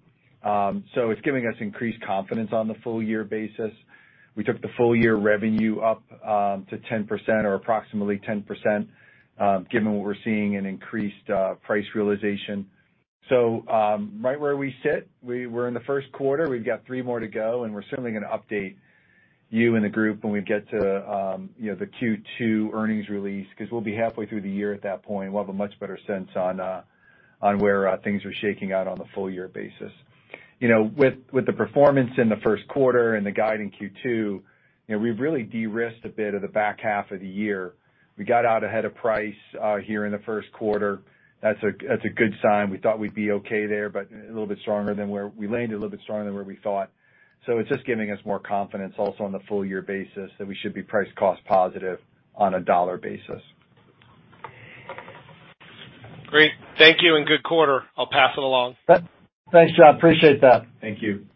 It's giving us increased confidence on the full year basis. We took the full year revenue up to 10% or approximately 10%, given what we're seeing in increased price realization. Right where we sit, we're in the Q1, we've got three more to go, and we are certainly gonna update you and the group when we get to, you know, the Q2 earnings release, 'cause we'll be halfway through the year at that point. We'll have a much better sense on where things are shaking out on a full year basis. You know, with the performance in the Q1 and the guide in Q2, you know, we've really de-risked a bit of the back half of the year. We got out ahead of price here in the Q1. That's a good sign. We thought we'd be okay there, but a little bit stronger than where we landed a little bit stronger than where we thought. It's just giving us more confidence also on the full year basis that we should be price cost positive on a dollar basis. Great. Thank you and good quarter. I'll pass it along. Thanks, John. Appreciate that. Thank you.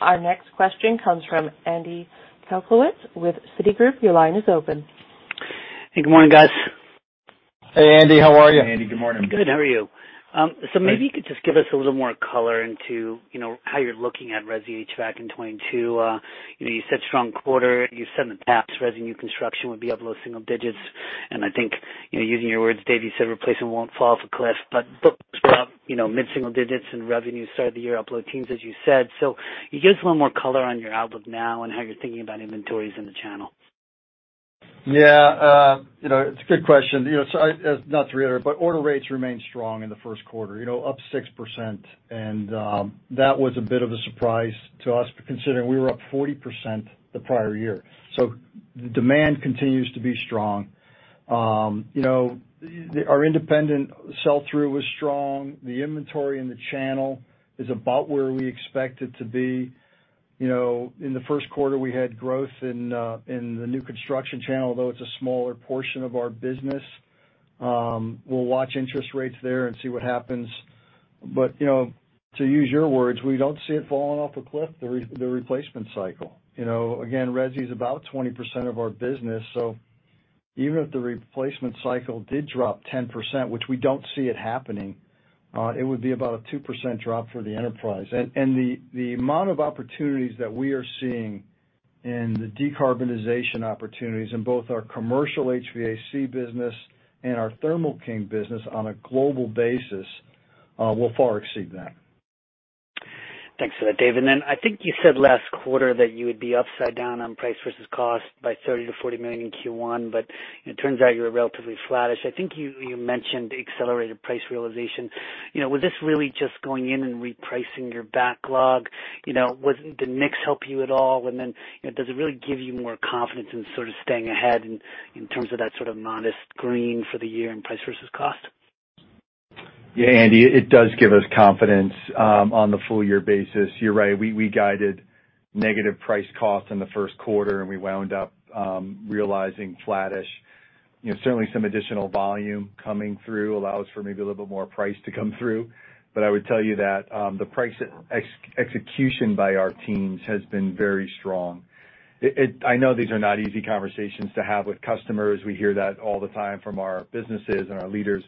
Our next question comes from Andy Kaplowitz with Citigroup. Your line is open. Hey, good morning, guys. Hey, Andy, how are you? Hey, Andy. Good morning. Good. How are you? Maybe you could just give us a little more color into, you know, how you're looking at resi HVAC in 2022. You know, you said strong quarter. You said the TAPS resi new construction would be up low single digits. I think, you know, using your words, Dave, you said replacement won't fall off a cliff, but books were up, you know, mid-single digits and revenue started the year up low teens, as you said. Can you give us a little more color on your outlook now and how you're thinking about inventories in the channel? Yeah, you know, it's a good question. You know, so, not to reiterate, but order rates remained strong in the Q1. You know, up 6%, and that was a bit of a surprise to us, considering we were up 40% the prior year. The demand continues to be strong. You know, our independent sell-through was strong. The inventory in the channel is about where we expect it to be. You know, in the Q1, we had growth in the new construction channel, although it's a smaller portion of our business. We'll watch interest rates there and see what happens. You know, to use your words, we don't see it falling off a cliff, the replacement cycle. You know, again, resi is about 20% of our business, so even if the replacement cycle did drop 10%, which we don't see it happening, it would be about a 2% drop for the enterprise. The amount of opportunities that we are seeing in the decarbonization opportunities in both our commercial HVAC business and our Thermo King business on a global basis will far exceed that. Thanks for that, Dave. I think you said last quarter that you would be upside down on price versus cost by $30 million-$40 million in Q1, but it turns out you were relatively flattish. I think you mentioned accelerated price realization. You know, was this really just going in and repricing your backlog? You know, did mix help you at all? You know, does it really give you more confidence in sort of staying ahead in terms of that sort of modest green for the year in price versus cost? Yeah, Andy, it does give us confidence on the full year basis. You're right, we guided negative price cost in the Q1, and we wound up realizing flattish. You know, certainly some additional volume coming through allows for maybe a little bit more price to come through. But I would tell you that the price execution by our teams has been very strong. I know these are not easy conversations to have with customers. We hear that all the time from our businesses and our leaders.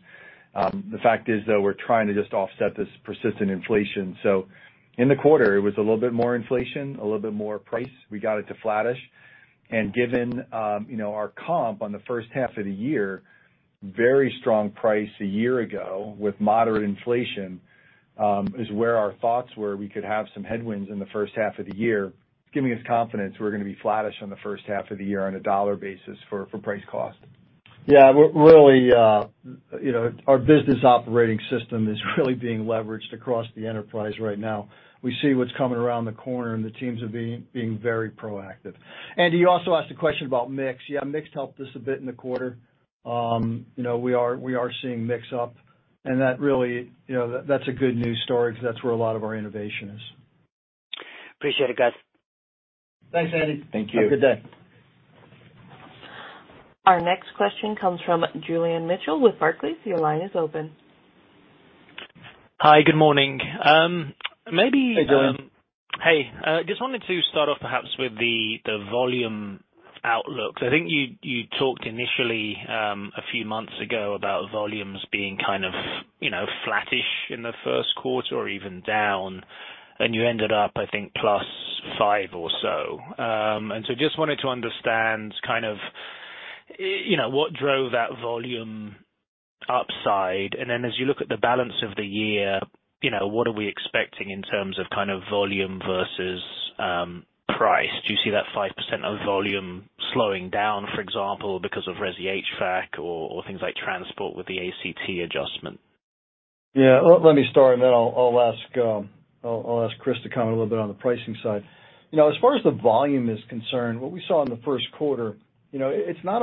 The fact is, though, we're trying to just offset this persistent inflation. In the quarter, it was a little bit more inflation, a little bit more price. We got it to flattish. Given, you know, our comp on the first half of the year, very strong pricing a year ago with moderate inflation, is where our thoughts were we could have some headwinds in the first half of the year. It's giving us confidence we're gonna be flattish on the first half of the year on a dollar basis for price cost. Yeah. We're really, you know, our business operating system is really being leveraged across the enterprise right now. We see what's coming around the corner, and the teams are being very proactive. Andy, you also asked a question about mix. Yeah, mix helped us a bit in the quarter. You know, we are seeing mix up, and that really, you know, that's a good news story because that's where a lot of our innovation is. Appreciate it, guys. Thanks, Andy. Thank you. Have a good day. Our next question comes from Julian Mitchell with Barclays. Your line is open. Hi. Good morning. Hey, Julian. Hey. Just wanted to start off perhaps with the volume outlook. I think you talked initially a few months ago about volumes being kind of, you know, flattish in the Q1 or even down, and you ended up, I think, +5 or so. Just wanted to understand kind of, you know, what drove that volume upside. Then as you look at the balance of the year, you know, what are we expecting in terms of kind of volume versus price? Do you see that 5% of volume slowing down, for example, because of resi HVAC or things like transport with the ACT adjustment? Yeah. Let me start, and then I'll ask Chris to comment a little bit on the pricing side. You know, as far as the volume is concerned, what we saw in the Q1, you know, it's not.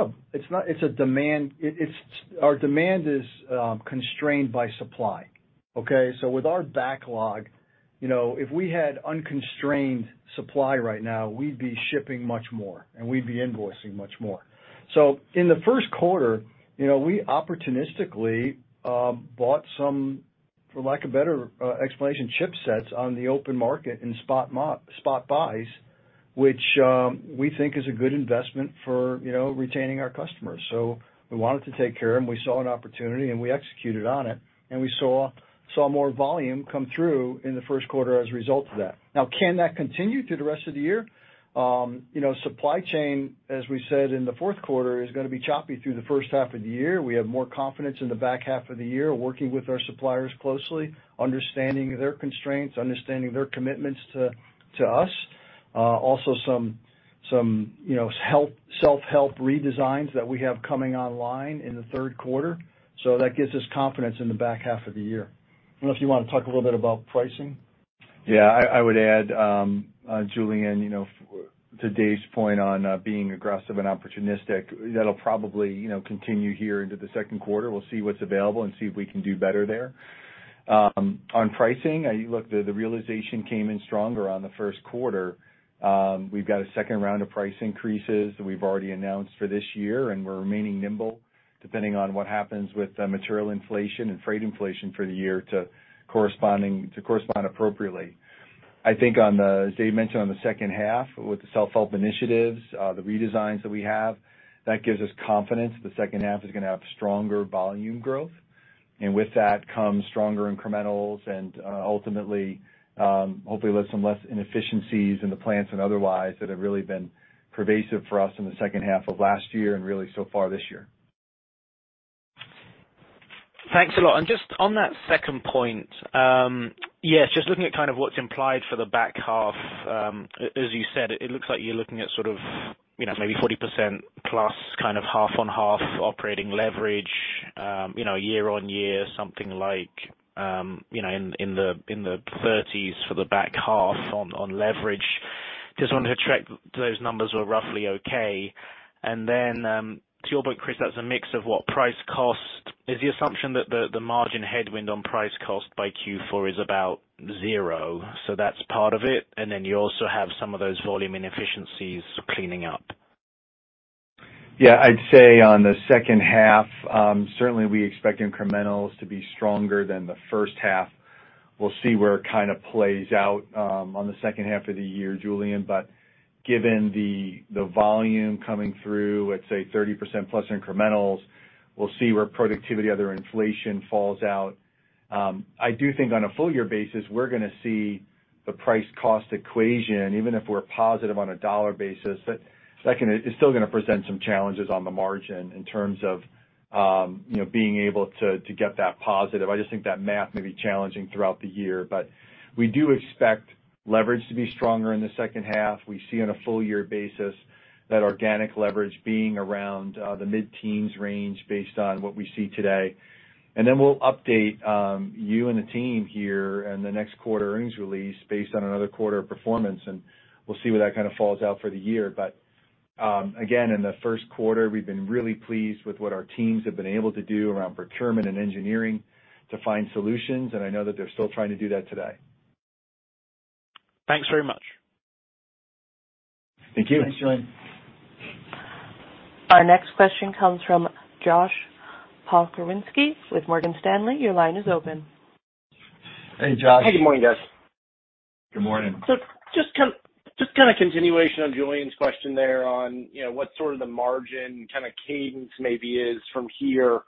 Our demand is constrained by supply, okay? With our backlog, you know, if we had unconstrained supply right now, we'd be shipping much more, and we'd be invoicing much more. So in the Q1, you know, we opportunistically bought some, for lack of better explanation, chipsets on the open market in spot buys, which we think is a good investment for, you know, retaining our customers. We wanted to take care of them. We saw an opportunity, and we executed on it, and we saw more volume come through in the Q1 as a result of that. Now, can that continue through the rest of the year? You know, supply chain, as we said in the Q4, is gonna be choppy through the first half of the year. We have more confidence in the back half of the year, working with our suppliers closely, understanding their constraints, understanding their commitments to us. Also some, you know, self-help redesigns that we have coming online in the Q3. That gives us confidence in the back half of the year. Unless you want to talk a little bit about pricing. Yeah, I would add, Julian, you know, to Dave's point on being aggressive and opportunistic, that'll probably, you know, continue here into the Q2. We'll see what's available and see if we can do better there. On pricing, look, the realization came in stronger on the Q1. We've got a second round of price increases that we've already announced for this year, and we're remaining nimble, depending on what happens with material inflation and freight inflation for the year to correspond appropriately. I think on the, as Dave mentioned on the second half with the self-help initiatives, the redesigns that we have, that gives us confidence the second half is gonna have stronger volume growth. With that comes stronger incrementals and, ultimately, hopefully with some less inefficiencies in the plants and otherwise that have really been pervasive for us in the second half of last year and really so far this year. Thanks a lot. Just on that second point, yes, just looking at kind of what's implied for the back half, as you said, it looks like you're looking at sort of, you know, maybe 40%+ kind of half-on-half operating leverage, you know, year-on-year, something like in the 30s for the back half on leverage. Just wanted to check those numbers were roughly okay. Then, to your point, Chris, that's a mix of what price cost. Is the assumption that the margin headwind on price cost by Q4 is about zero? That's part of it, and then you also have some of those volume inefficiencies cleaning up. Yeah. I'd say on the second half, certainly we expect incrementals to be stronger than the first half. We'll see where it kind of plays out on the second half of the year, Julian. Given the volume coming through at, say, 30% plus incrementals, we'll see where productivity, other inflation falls out. I do think on a full year basis, we're gonna see the price cost equation, even if we're positive on a dollar basis, that second is still gonna present some challenges on the margin in terms of you know, being able to get that positive. I just think that math may be challenging throughout the year. We do expect leverage to be stronger in the second half. We see on a full year basis that organic leverage being around the mid-teens range based on what we see today. We'll update you and the team here in the next quarter earnings release based on another quarter of performance, and we'll see where that kind of falls out for the year. Again, in the Q1, we've been really pleased with what our teams have been able to do around procurement and engineering to find solutions, and I know that they're still trying to do that today. Thanks very much. Thank you. Thanks, Julian. Our next question comes from Josh Pokrzywinski with Morgan Stanley. Your line is open. Hey, Josh. Hey, good morning, guys. Good morning. Just kind of continuation on Julian's question there on, you know, what sort of the margin kind of cadence maybe is from here.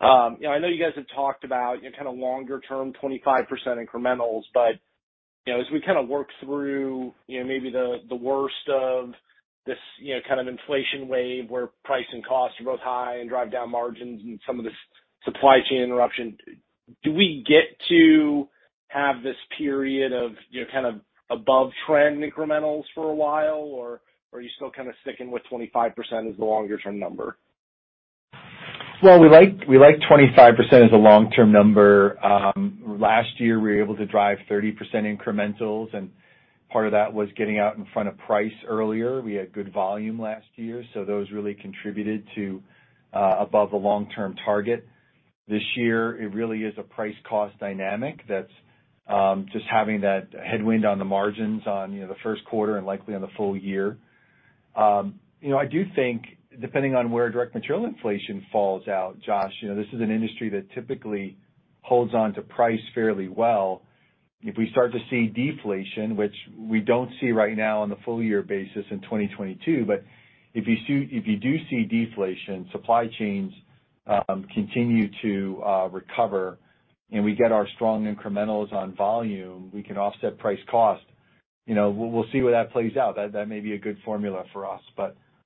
You know, I know you guys have talked about your kind of longer term 25% incrementals, but, you know, as we kind of work through, you know, maybe the worst of this, you know, kind of inflation wave where price and costs are both high and drive down margins and some of the supply chain interruption, do we get to have this period of, you know kind of above trend incrementals for a while, or are you still kind of sticking with 25% as the longer term number? Well, we like 25% as a long-term number. Last year, we were able to drive 30% incrementals, and part of that was getting out in front of price earlier. We had good volume last year, so those really contributed to above the long-term target. This year, it really is a price cost dynamic that's just having that headwind on the margins on, you know, the Q1 and likely on the full year. You know, I do think depending on where direct material inflation falls out, Josh, you know, this is an industry that typically holds on to price fairly well. If we start to see deflation, which we don't see right now on the full year basis in 2022, but if you do see deflation, supply chains continue to recover and we get our strong incrementals on volume, we can offset price cost. You know, we'll see where that plays out. That may be a good formula for us.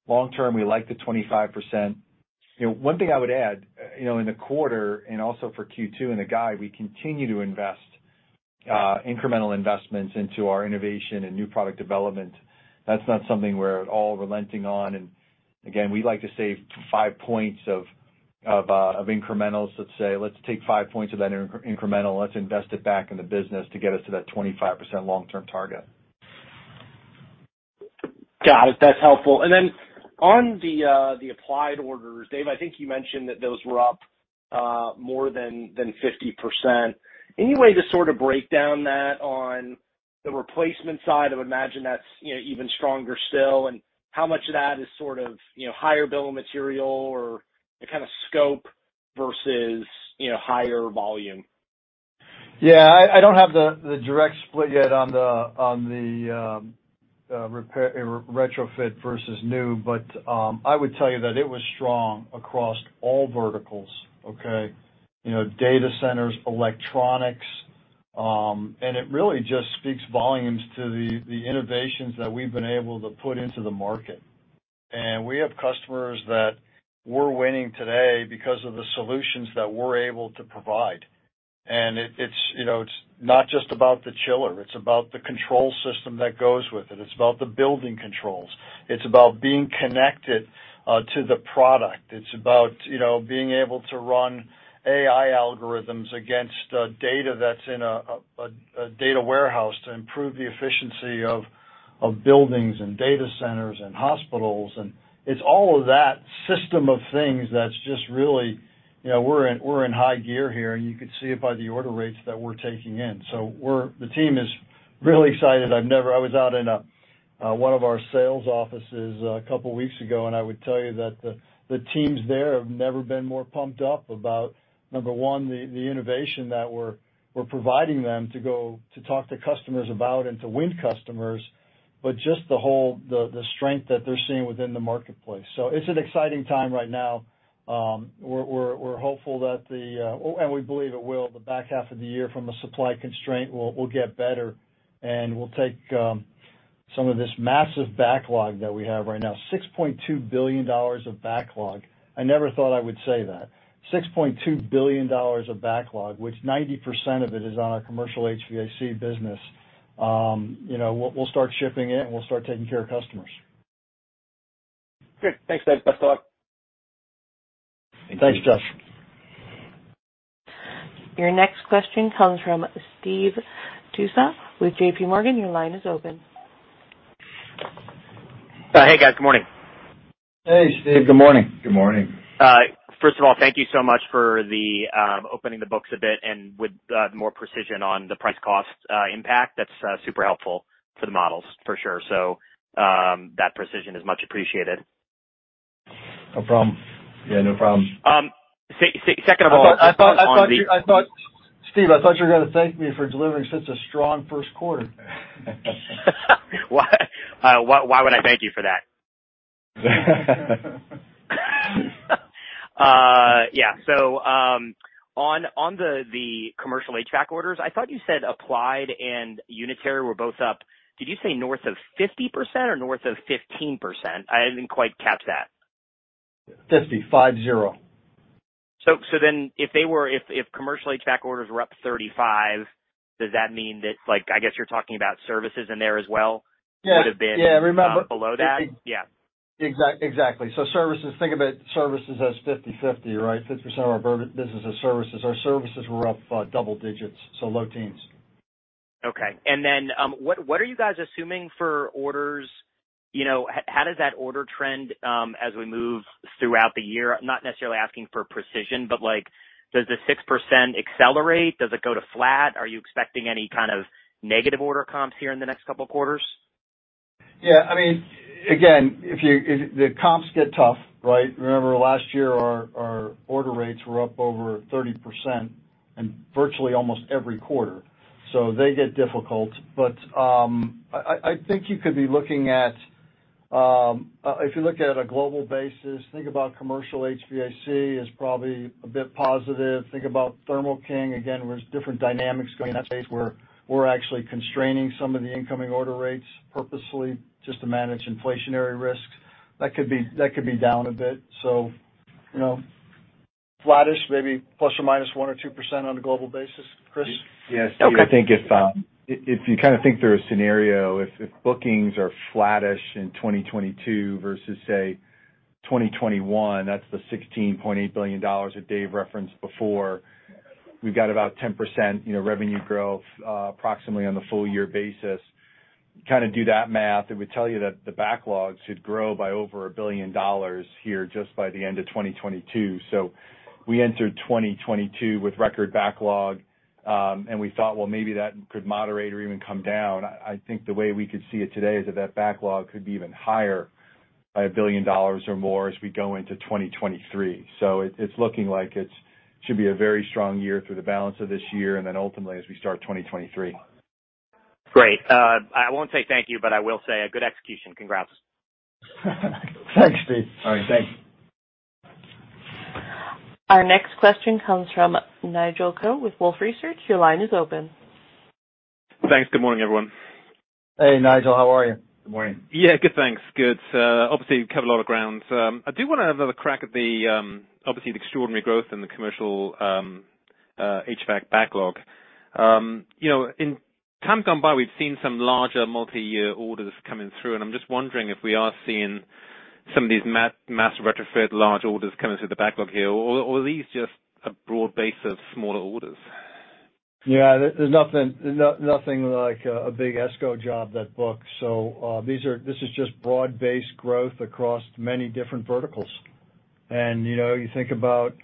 Long term, we like the 25%. You know, one thing I would add, you know, in the quarter and also for Q2 and the guide, we continue to invest incremental investments into our innovation and new product development. That's not something we're at all relenting on. Again, we like to save 5 points of incrementals. Let's say, let's take 5 points of that incremental, let's invest it back in the business to get us to that 25% long-term target. Got it. That's helpful. Then on the applied orders, Dave, I think you mentioned that those were up more than 50%. Any way to sort of break down that on the replacement side? I would imagine that's, you know, even stronger still, and how much of that is sort of, you know, higher bill of material or the kind of scope versus, you know, higher volume? I don't have the direct split yet on the retrofit versus new, but I would tell you that it was strong across all verticals, okay? You know, data centers, electronics, and it really just speaks volumes to the innovations that we've been able to put into the market. We have customers that we're winning today because of the solutions that we're able to provide. It's, you know, it's not just about the chiller, it's about the control system that goes with it. It's about the building controls. It's about being connected to the product. It's about, you know, being able to run AI algorithms against data that's in a data warehouse to improve the efficiency of buildings and data centers and hospitals. It's all of that system of things that's just really, you know, we're in high gear here, and you can see it by the order rates that we're taking in. The team is really excited. I was out in one of our sales offices a couple weeks ago, and I would tell you that the teams there have never been more pumped up about, number one, the innovation that we're providing them to go to talk to customers about and to win customers. Just the whole strength that they're seeing within the marketplace. It's an exciting time right now. We're hopeful that the back half of the year from a supply constraint will get better, and we'll take some of this massive backlog that we have right now, $6.2 billion of backlog. I never thought I would say that. $6.2 billion of backlog, which 90% of it is on our commercial HVAC business. We'll start shipping it, and we'll start taking care of customers. Good. Thanks, Dave. Best of luck. Thank you. Thanks, Josh. Your next question comes from Steve Tusa with J.P. Morgan. Your line is open. Hey, guys. Good morning. Hey, Steve. Good morning. Good morning. First of all, thank you so much for opening the books a bit and with more precision on the price cost impact. That's super helpful for the models for sure. That precision is much appreciated. No problem. Yeah, no problem. Second of all- I thought, Steve, you were gonna thank me for delivering such a strong Q1. Why would I thank you for that? Yeah. On the commercial HVAC orders, I thought you said applied and unitary were both up. Did you say north of 50% or north of 15%? I didn't quite catch that. 50. If commercial HVAC orders were up 35%, does that mean that, like, I guess you're talking about services in there as well? Yeah. Would've been- Yeah, remember. Below that? Yeah. Exactly. Services, think about services as 50/50, right? 50% of our business is services. Our services were up double digits, so low teens. Okay. What are you guys assuming for orders, you know? How does that order trend as we move throughout the year? I'm not necessarily asking for precision, but, like, does the 6% accelerate? Does it go to flat? Are you expecting any kind of negative order comps here in the next couple of quarters? I mean, again, if the comps get tough, right? Remember last year, our order rates were up over 30% in virtually almost every quarter, so they get difficult. I think you could be looking at, if you look at a global basis, think about commercial HVAC is probably a bit positive. Think about Thermo King. Again, there's different dynamics going on where we're actually constraining some of the incoming order rates purposely just to manage inflationary risks. That could be down a bit. You know, flattish maybe ±1% or 2% on a global basis. Chris? Yes. Okay. I think if you kind of think through a scenario, if bookings are flattish in 2022 versus, say, 2021, that's the $16.8 billion that Dave referenced before. We've got about 10%, you know, revenue growth, approximately on the full year basis. Kinda do that math, it would tell you that the backlogs should grow by over $1 billion here just by the end of 2022. We entered 2022 with record backlog, and we thought, well, maybe that could moderate or even come down. I think the way we could see it today is that that backlog could be even higher by $1 billion or more as we go into 2023. It's looking like it should be a very strong year through the balance of this year and then ultimately as we start 2023. Great. I won't say thank you, but I will say a good execution. Congrats. Thanks, Steve. All right. Thanks. Our next question comes from Nigel Coe with Wolfe Research. Your line is open. Thanks. Good morning, everyone. Hey, Nigel, how are you? Good morning. Yeah. Good, thanks. Good. Obviously you've covered a lot of ground. I do wanna have another crack at the obviously the extraordinary growth in the commercial HVAC backlog. You know, in time gone by, we've seen some larger multi-year orders coming through, and I'm just wondering if we are seeing some of these mass retrofit large orders coming through the backlog here or are these just a broad base of smaller orders? Yeah. There's nothing like a big ESCO job that books. This is just broad-based growth across many different verticals. You know, you think about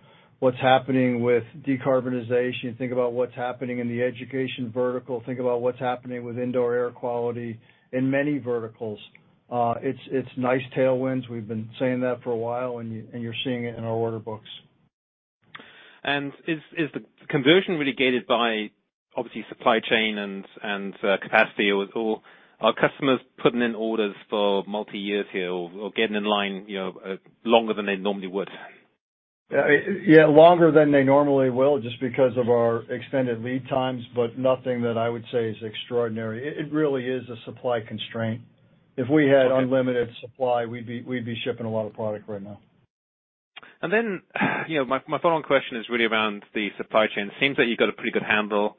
what's happening with decarbonization, think about what's happening in the education vertical, think about what's happening with indoor air quality in many verticals. It's nice tailwinds. We've been saying that for a while, and you're seeing it in our order books. Is the conversion really gated by obviously supply chain and capacity or are customers putting in orders for multi-years here or getting in line, you know, longer than they normally would? Yeah, longer than they normally will just because of our extended lead times, but nothing that I would say is extraordinary. It really is a supply constraint. If we had unlimited supply, we'd be shipping a lot of product right now. My following question is really around the supply chain. It seems that you've got a pretty good handle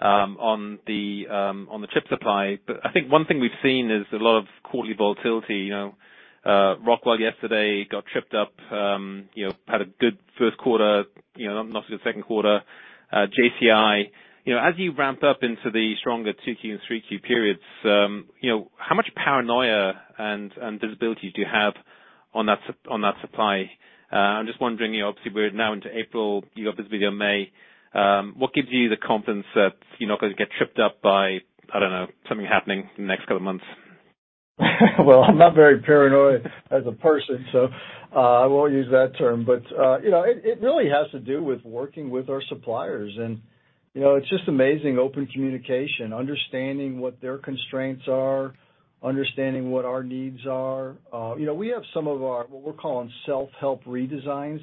on the chip supply. I think one thing we've seen is a lot of quarterly volatility. You know, Rockwell yesterday got tripped up, you know, had a good Q1, you know, not such a good Q2. JCI, you know, as you ramp up into the stronger 2Q and 3Q periods, you know, how much paranoia and visibility do you have on that supply? I'm just wondering, you know, obviously we are now into April. You obviously do May. What gives you the confidence that you're not gonna get tripped up by, I don't know, something happening in the next couple of months? Well, I'm not very paranoid as a person, so, I won't use that term. You know, it really has to do with working with our suppliers. You know, it's just amazing open communication, understanding what their constraints are, understanding what our needs are. You know, we have some of our what we're calling self-help redesigns,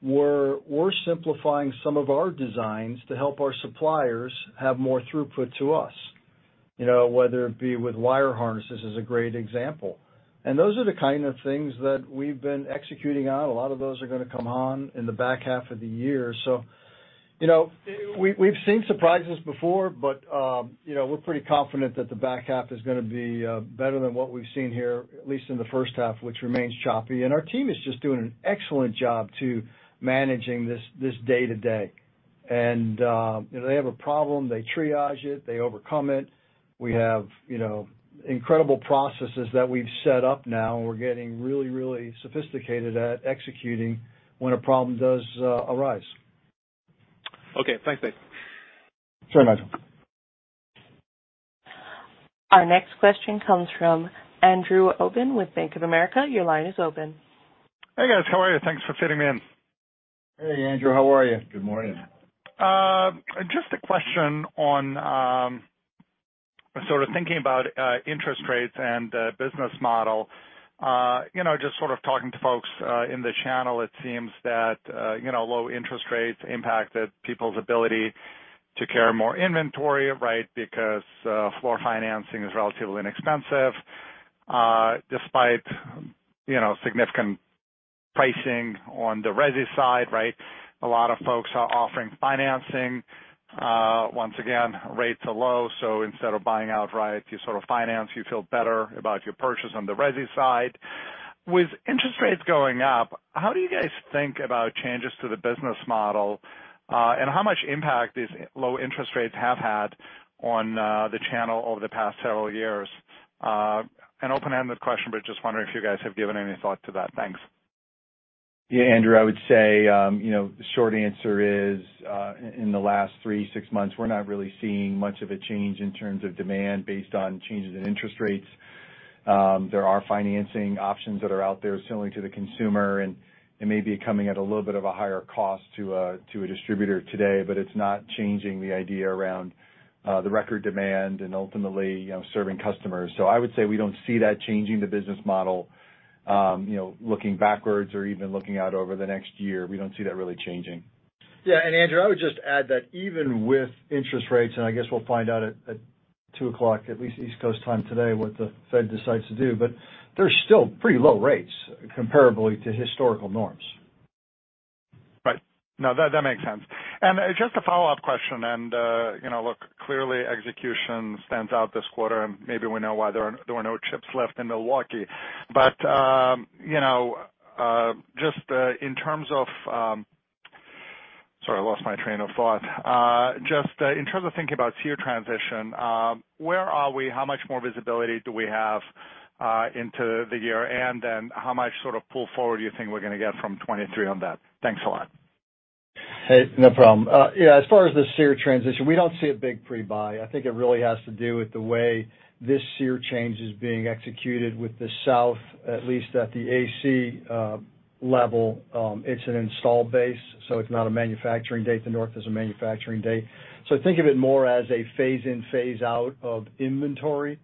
where we're simplifying some of our designs to help our suppliers have more throughput to us. You know, whether it be with wire harnesses, is a great example. Those are the kind of things that we've been executing on. A lot of those are gonna come on in the back half of the year. You know, we've seen surprises before, but you know, we're pretty confident that the back half is gonna be better than what we've seen here, at least in the first half, which remains choppy. Our team is just doing an excellent job to managing this day-to-day. You know, they have a problem, they triage it, they overcome it. We have you know, incredible processes that we've set up now, and we're getting really sophisticated at executing when a problem does arise. Okay. Thanks, Dave. Sure, Nigel. Our next question comes from Andrew Obin with Bank of America. Your line is open. Hey, guys. How are you? Thanks for fitting me in. Hey, Andrew. How are you? Good morning. Just a question on, sort of thinking about, interest rates and the business model. You know, just sort of talking to folks in the channel, it seems that, you know, low interest rates impacted people's ability to carry more inventory, right? Because, floor financing is relatively inexpensive, despite, you know, significant pricing on the resi side, right? A lot of folks are offering financing. Once again, rates are low, so instead of buying outright, you sort of finance, you feel better about your purchase on the resi side. With interest rates going up, how do you guys think about changes to the business model, and how much impact these low interest rates have had on, the channel over the past several years? An open-ended question, but just wondering if you guys have given any thought to that. Thanks. Yeah. Andrew Obin, I would say, you know, the short answer is, in the last three, six months, we're not really seeing much of a change in terms of demand based on changes in interest rates. There are financing options that are out there selling to the consumer, and it may be coming at a little bit of a higher cost to a distributor today, but it's not changing the idea around, the record demand and ultimately, you know, serving customers. I would say we don't see that changing the business model. You know, looking backwards or even looking out over the next year, we don't see that really changing. Yeah, Andrew Obin, I would just add that even with interest rates, I guess we'll find out at 2:00 P.M., at least East Coast time today, what the Fed decides to do, but they're still pretty low rates comparatively to historical norms. Right. No, that makes sense. Just a follow-up question, you know, look, clearly execution stands out this quarter, and maybe we know why there were no chips left in Milwaukee. Sorry, I lost my train of thought. Just in terms of thinking about SEER transition, where are we? How much more visibility do we have into the year and then how much sort of pull forward do you think we're gonna get from 2023 on that? Thanks a lot. Hey, no problem. Yeah, as far as the SEER transition, we don't see a big pre-buy. I think it really has to do with the way this SEER change is being executed with the South, at least at the AC level, it's an install base, so it's not a manufacturing date. The North is a manufacturing date. Think of it more as a phase in, phase out of inventory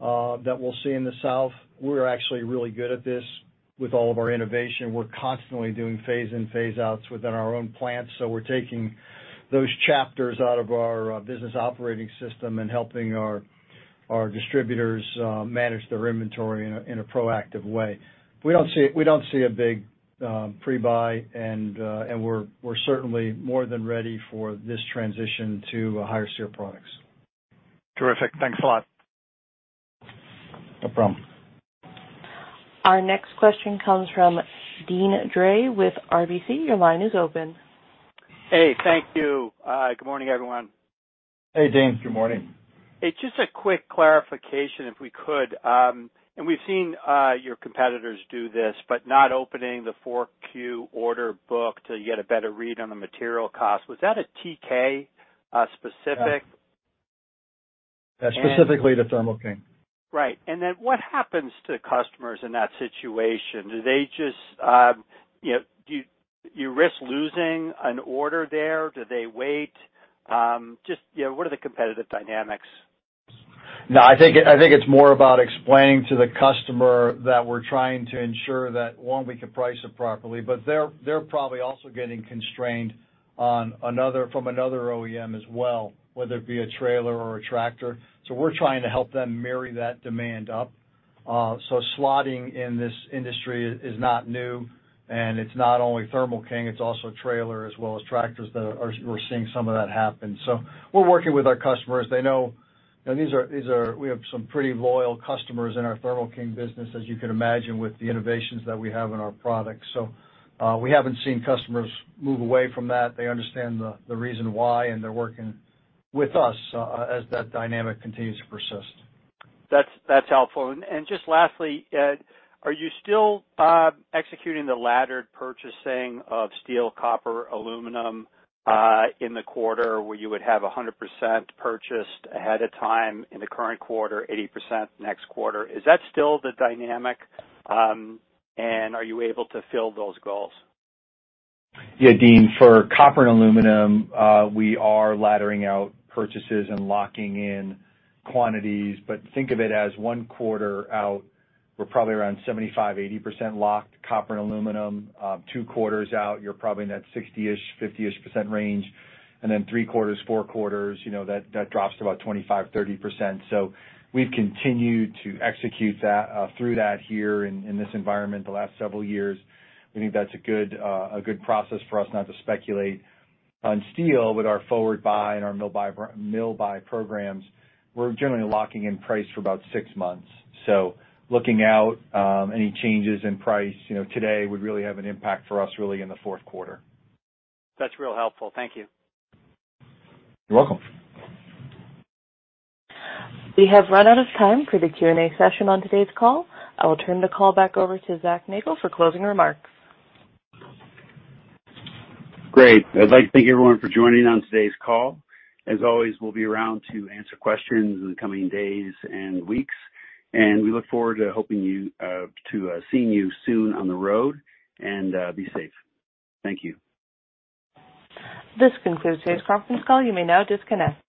that we'll see in the South. We are actually really good at this. With all of our innovation, we're constantly doing phase in, phase outs within our own plants, so we're taking those chapters out of our business operating system and helping our distributors manage their inventory in a proactive way. We don't see a big pre-buy, and we're certainly more than ready for this transition to higher SEER products. Terrific. Thanks a lot. No problem. Our next question comes from Deane Dray with RBC. Your line is open. Hey, thank you. Good morning, everyone. Hey, Deane. Good morning. It's just a quick clarification, if we could. We've seen your competitors do this, but not opening the 4Q order book to get a better read on the material cost. Was that a TK specific? Yeah. Specifically the Thermo King. Right. What happens to customers in that situation? Do they just, you know, Do you risk losing an order there? Do they wait? Just, you know, what are the competitive dynamics? No, I think it's more about explaining to the customer that we're trying to ensure that one, we can price it properly, but they're probably also getting constrained on another OEM as well, whether it be a trailer or a tractor. We're trying to help them marry that demand up. Slotting in this industry is not new, and it's not only Thermo King, it's also trailer as well as tractors that we're seeing some of that happen. We're working with our customers. They know, you know, these are we have some pretty loyal customers in our Thermo King business, as you can imagine, with the innovations that we have in our products. We haven't seen customers move away from that. They understand the reason why, and they're working with us as that dynamic continues to persist. That's helpful. Just lastly, are you still executing the laddered purchasing of steel, copper, aluminum, in the quarter where you would have 100% purchased ahead of time in the current quarter, 80% next quarter? Is that still the dynamic, and are you able to fill those goals? Yeah, Deane. For copper and aluminum, we are laddering out purchases and locking in quantities, but think of it as one quarter out, we're probably around 75, 80% locked copper and aluminum. Two quarters out, you're probably in that 60-ish, 50-ish% range. Then three quarters, four quarters, you know, that drops to about 25, 30%. We've continued to execute that through that here in this environment the last several years. We think that's a good process for us not to speculate on steel with our forward buy and our mill buy programs. We're generally locking in price for about six months. Looking out, any changes in price, you know, today would really have an impact for us really in the Q4. That's real helpful. Thank you. You're welcome. We have run out of time for the Q&A session on today's call. I will turn the call back over to Zac Nagle for closing remarks. Great. I'd like to thank everyone for joining on today's call. As always, we'll be around to answer questions in the coming days and weeks, and we look forward to helping you to seeing you soon on the road, and be safe. Thank you. This concludes today's conference call. You may now disconnect.